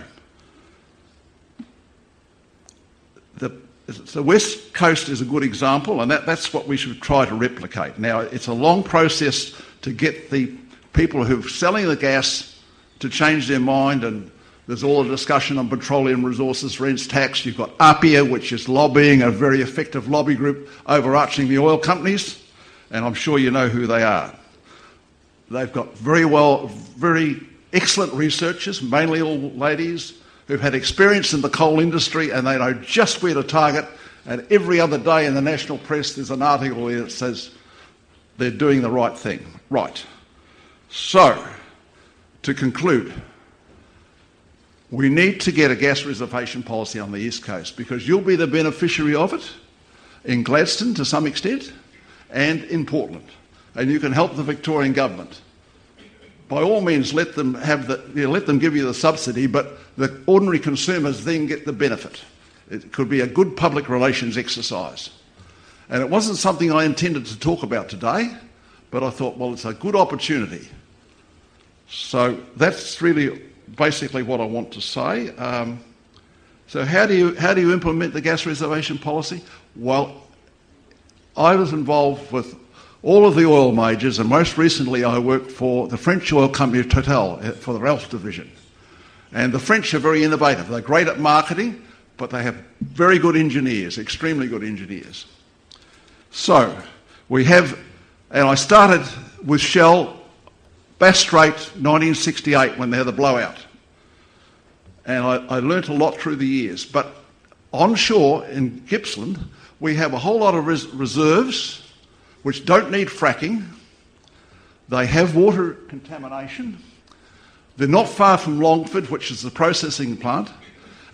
The West Coast is a good example, and that's what we should try to replicate. It's a long process to get the people who've selling the gas to change their mind, and there's all the discussion on Petroleum Resource Rent Tax. You've got APPEA, which is lobbying, a very effective lobby group, overarching the oil companies, and I'm sure you know who they are. They've got very excellent researchers, mainly all ladies, who've had experience in the coal industry. They know just where to target. Every other day in the national press, there's an article in it that says they're doing the right thing. Right. To conclude, we need to get a gas reservation policy on the East Coast, because you'll be the beneficiary of it in Gladstone, to some extent. In Portland, you can help the Victorian government. By all means, let them have let them give you the subsidy. The ordinary consumers then get the benefit. It could be a good public relations exercise, and it wasn't something I intended to talk about today, but I thought, "Well, it's a good opportunity." That's really basically what I want to say. How do you implement the Gas Reservation Policy? I was involved with all of the oil majors, and most recently, I worked for the French oil company, Total, for the Raffinage division. The French are very innovative. They're great at marketing, but they have very good engineers, extremely good engineers. I started with Shell Bass Strait, 1968, when they had the blowout, and I learned a lot through the years. Onshore in Gippsland, we have a whole lot of reserves which don't need fracking. They have water contamination. They're not far from Longford, which is the processing plant,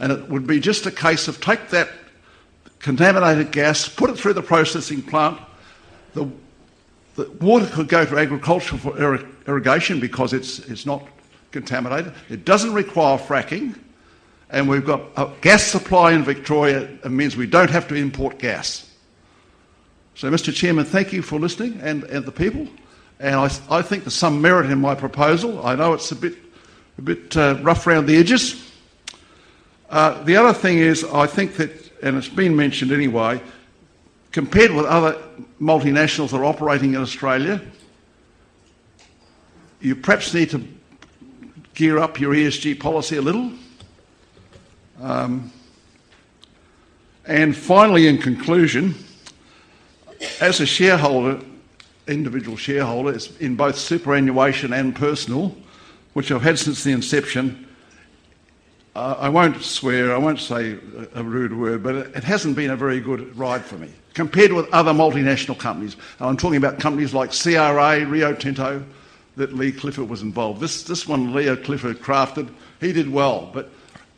and it would be just a case of take that contaminated gas, put it through the processing plant. The water could go to agriculture for irrigation because it's not contaminated. It doesn't require fracking, and we've got a gas supply in Victoria. It means we don't have to import gas. Mr. Chairman, thank you for listening, and the people, and I think there's some merit in my proposal. I know it's a bit rough around the edges. The other thing is, I think that, and it's been mentioned anyway, compared with other multinationals that are operating in Australia, you perhaps need to gear up your ESG policy a little. Finally, in conclusion, as a shareholder, individual shareholder, in both superannuation and personal, which I've had since the inception, I won't swear, I won't say a rude word, but it hasn't been a very good ride for me, compared with other multinational companies. I'm talking about companies like CRA, Rio Tinto, that Leigh Clifford was involved. This one, Leigh Clifford crafted. He did well.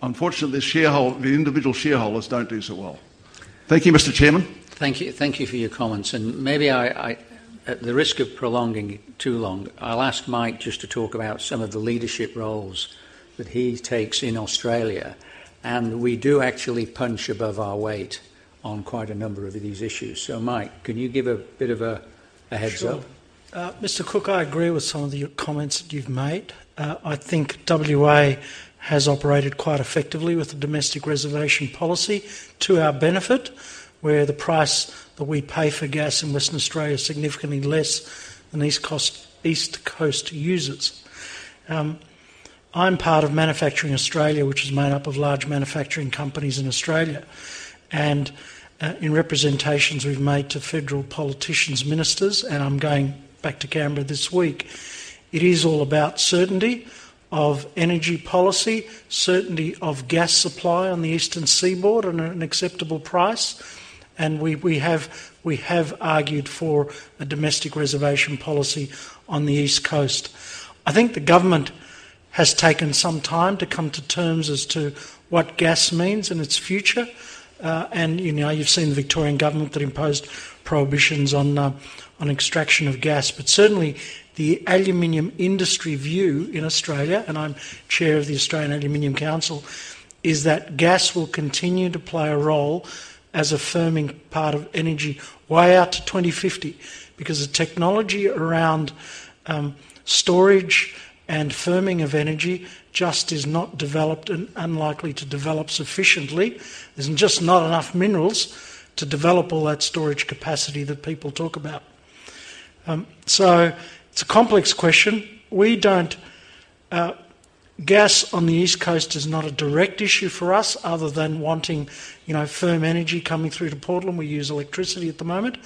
Unfortunately, the individual shareholders don't do so well. Thank you, Mr. Chairman. Thank you. Thank you for your comments, maybe at the risk of prolonging it too long, I'll ask Mike just to talk about some of the leadership roles that he takes in Australia, we do actually punch above our weight on quite a number of these issues. Mike, can you give a bit of a heads up? Sure. Mr. Cook, I agree with some of the comments that you've made. I think WA has operated quite effectively with the domestic reservation policy to our benefit, where the price that we pay for gas in Western Australia is significantly less than East Coast users. I'm part of Manufacturing Australia, which is made up of large manufacturing companies in Australia, and, in representations we've made to federal politicians, ministers, and I'm going back to Canberra this week, it is all about certainty of energy policy, certainty of gas supply on the Eastern Seaboard and at an acceptable price, and we have argued for a domestic reservation policy on the East Coast. I think the government has taken some time to come to terms as to what gas means and its future, and, you know, you've seen the Victorian government that imposed prohibitions on extraction of gas. Certainly, the aluminium industry view in Australia, and I'm Chair of the Australian Aluminium Council, is that gas will continue to play a role as a firming part of energy way out to 2050, because the technology around storage and firming of energy just is not developed and unlikely to develop sufficiently. There's just not enough minerals to develop all that storage capacity that people talk about. It's a complex question. Gas on the East Coast is not a direct issue for us, other than wanting, you know, firm energy coming through to Portland. We use electricity at the moment,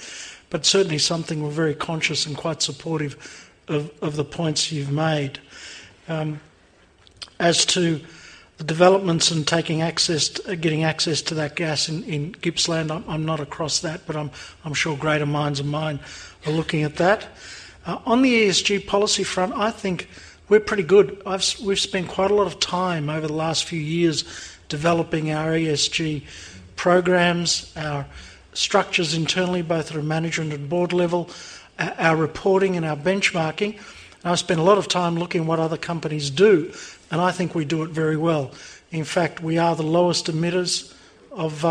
certainly something we're very conscious and quite supportive of the points you've made. As to the developments and getting access to that gas in Gippsland, I'm not across that, but I'm sure greater minds than mine are looking at that. On the ESG policy front, I think we're pretty good. We've spent quite a lot of time over the last few years developing our ESG programs, our structures internally, both through management and board level, our reporting and our benchmarking. I've spent a lot of time looking at what other companies do, and I think we do it very well. In fact, we are the lowest emitters of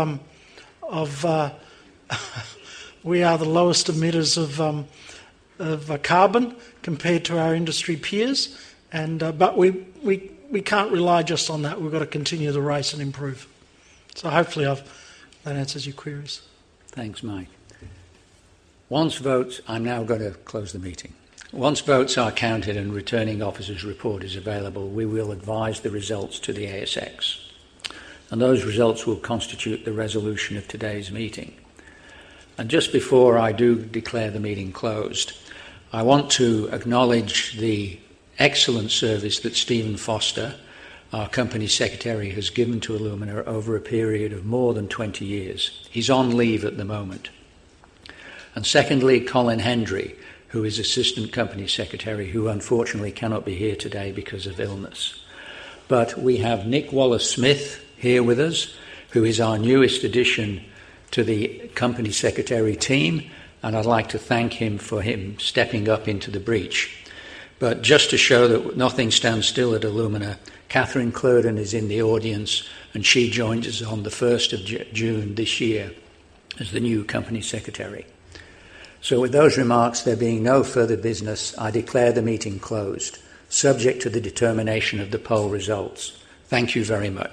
carbon compared to our industry peers. But we can't rely just on that. We've got to continue the race and improve. Hopefully, I've, that answers your queries. Thanks, Mike. I'm now going to close the meeting. Once votes are counted and Returning Officer's report is available, we will advise the results to the ASX, and those results will constitute the resolution of today's meeting. Just before I do declare the meeting closed, I want to acknowledge the excellent service that Stephen Foster, our Company Secretary, has given to Alumina over a period of more than 20 years. He's on leave at the moment. Secondly, Colin Hendry, who is Assistant Company Secretary, who unfortunately cannot be here today because of illness. We have Nick Wallace-Smith here with us, who is our newest addition to the Company Secretary team, and I'd like to thank him for him stepping up into the breach. Just to show that nothing stands still at Alumina, Catherine Kloeden is in the audience, and she joins us on the 1st of June this year as the new Company Secretary. With those remarks, there being no further business, I declare the meeting closed, subject to the determination of the poll results. Thank you very much.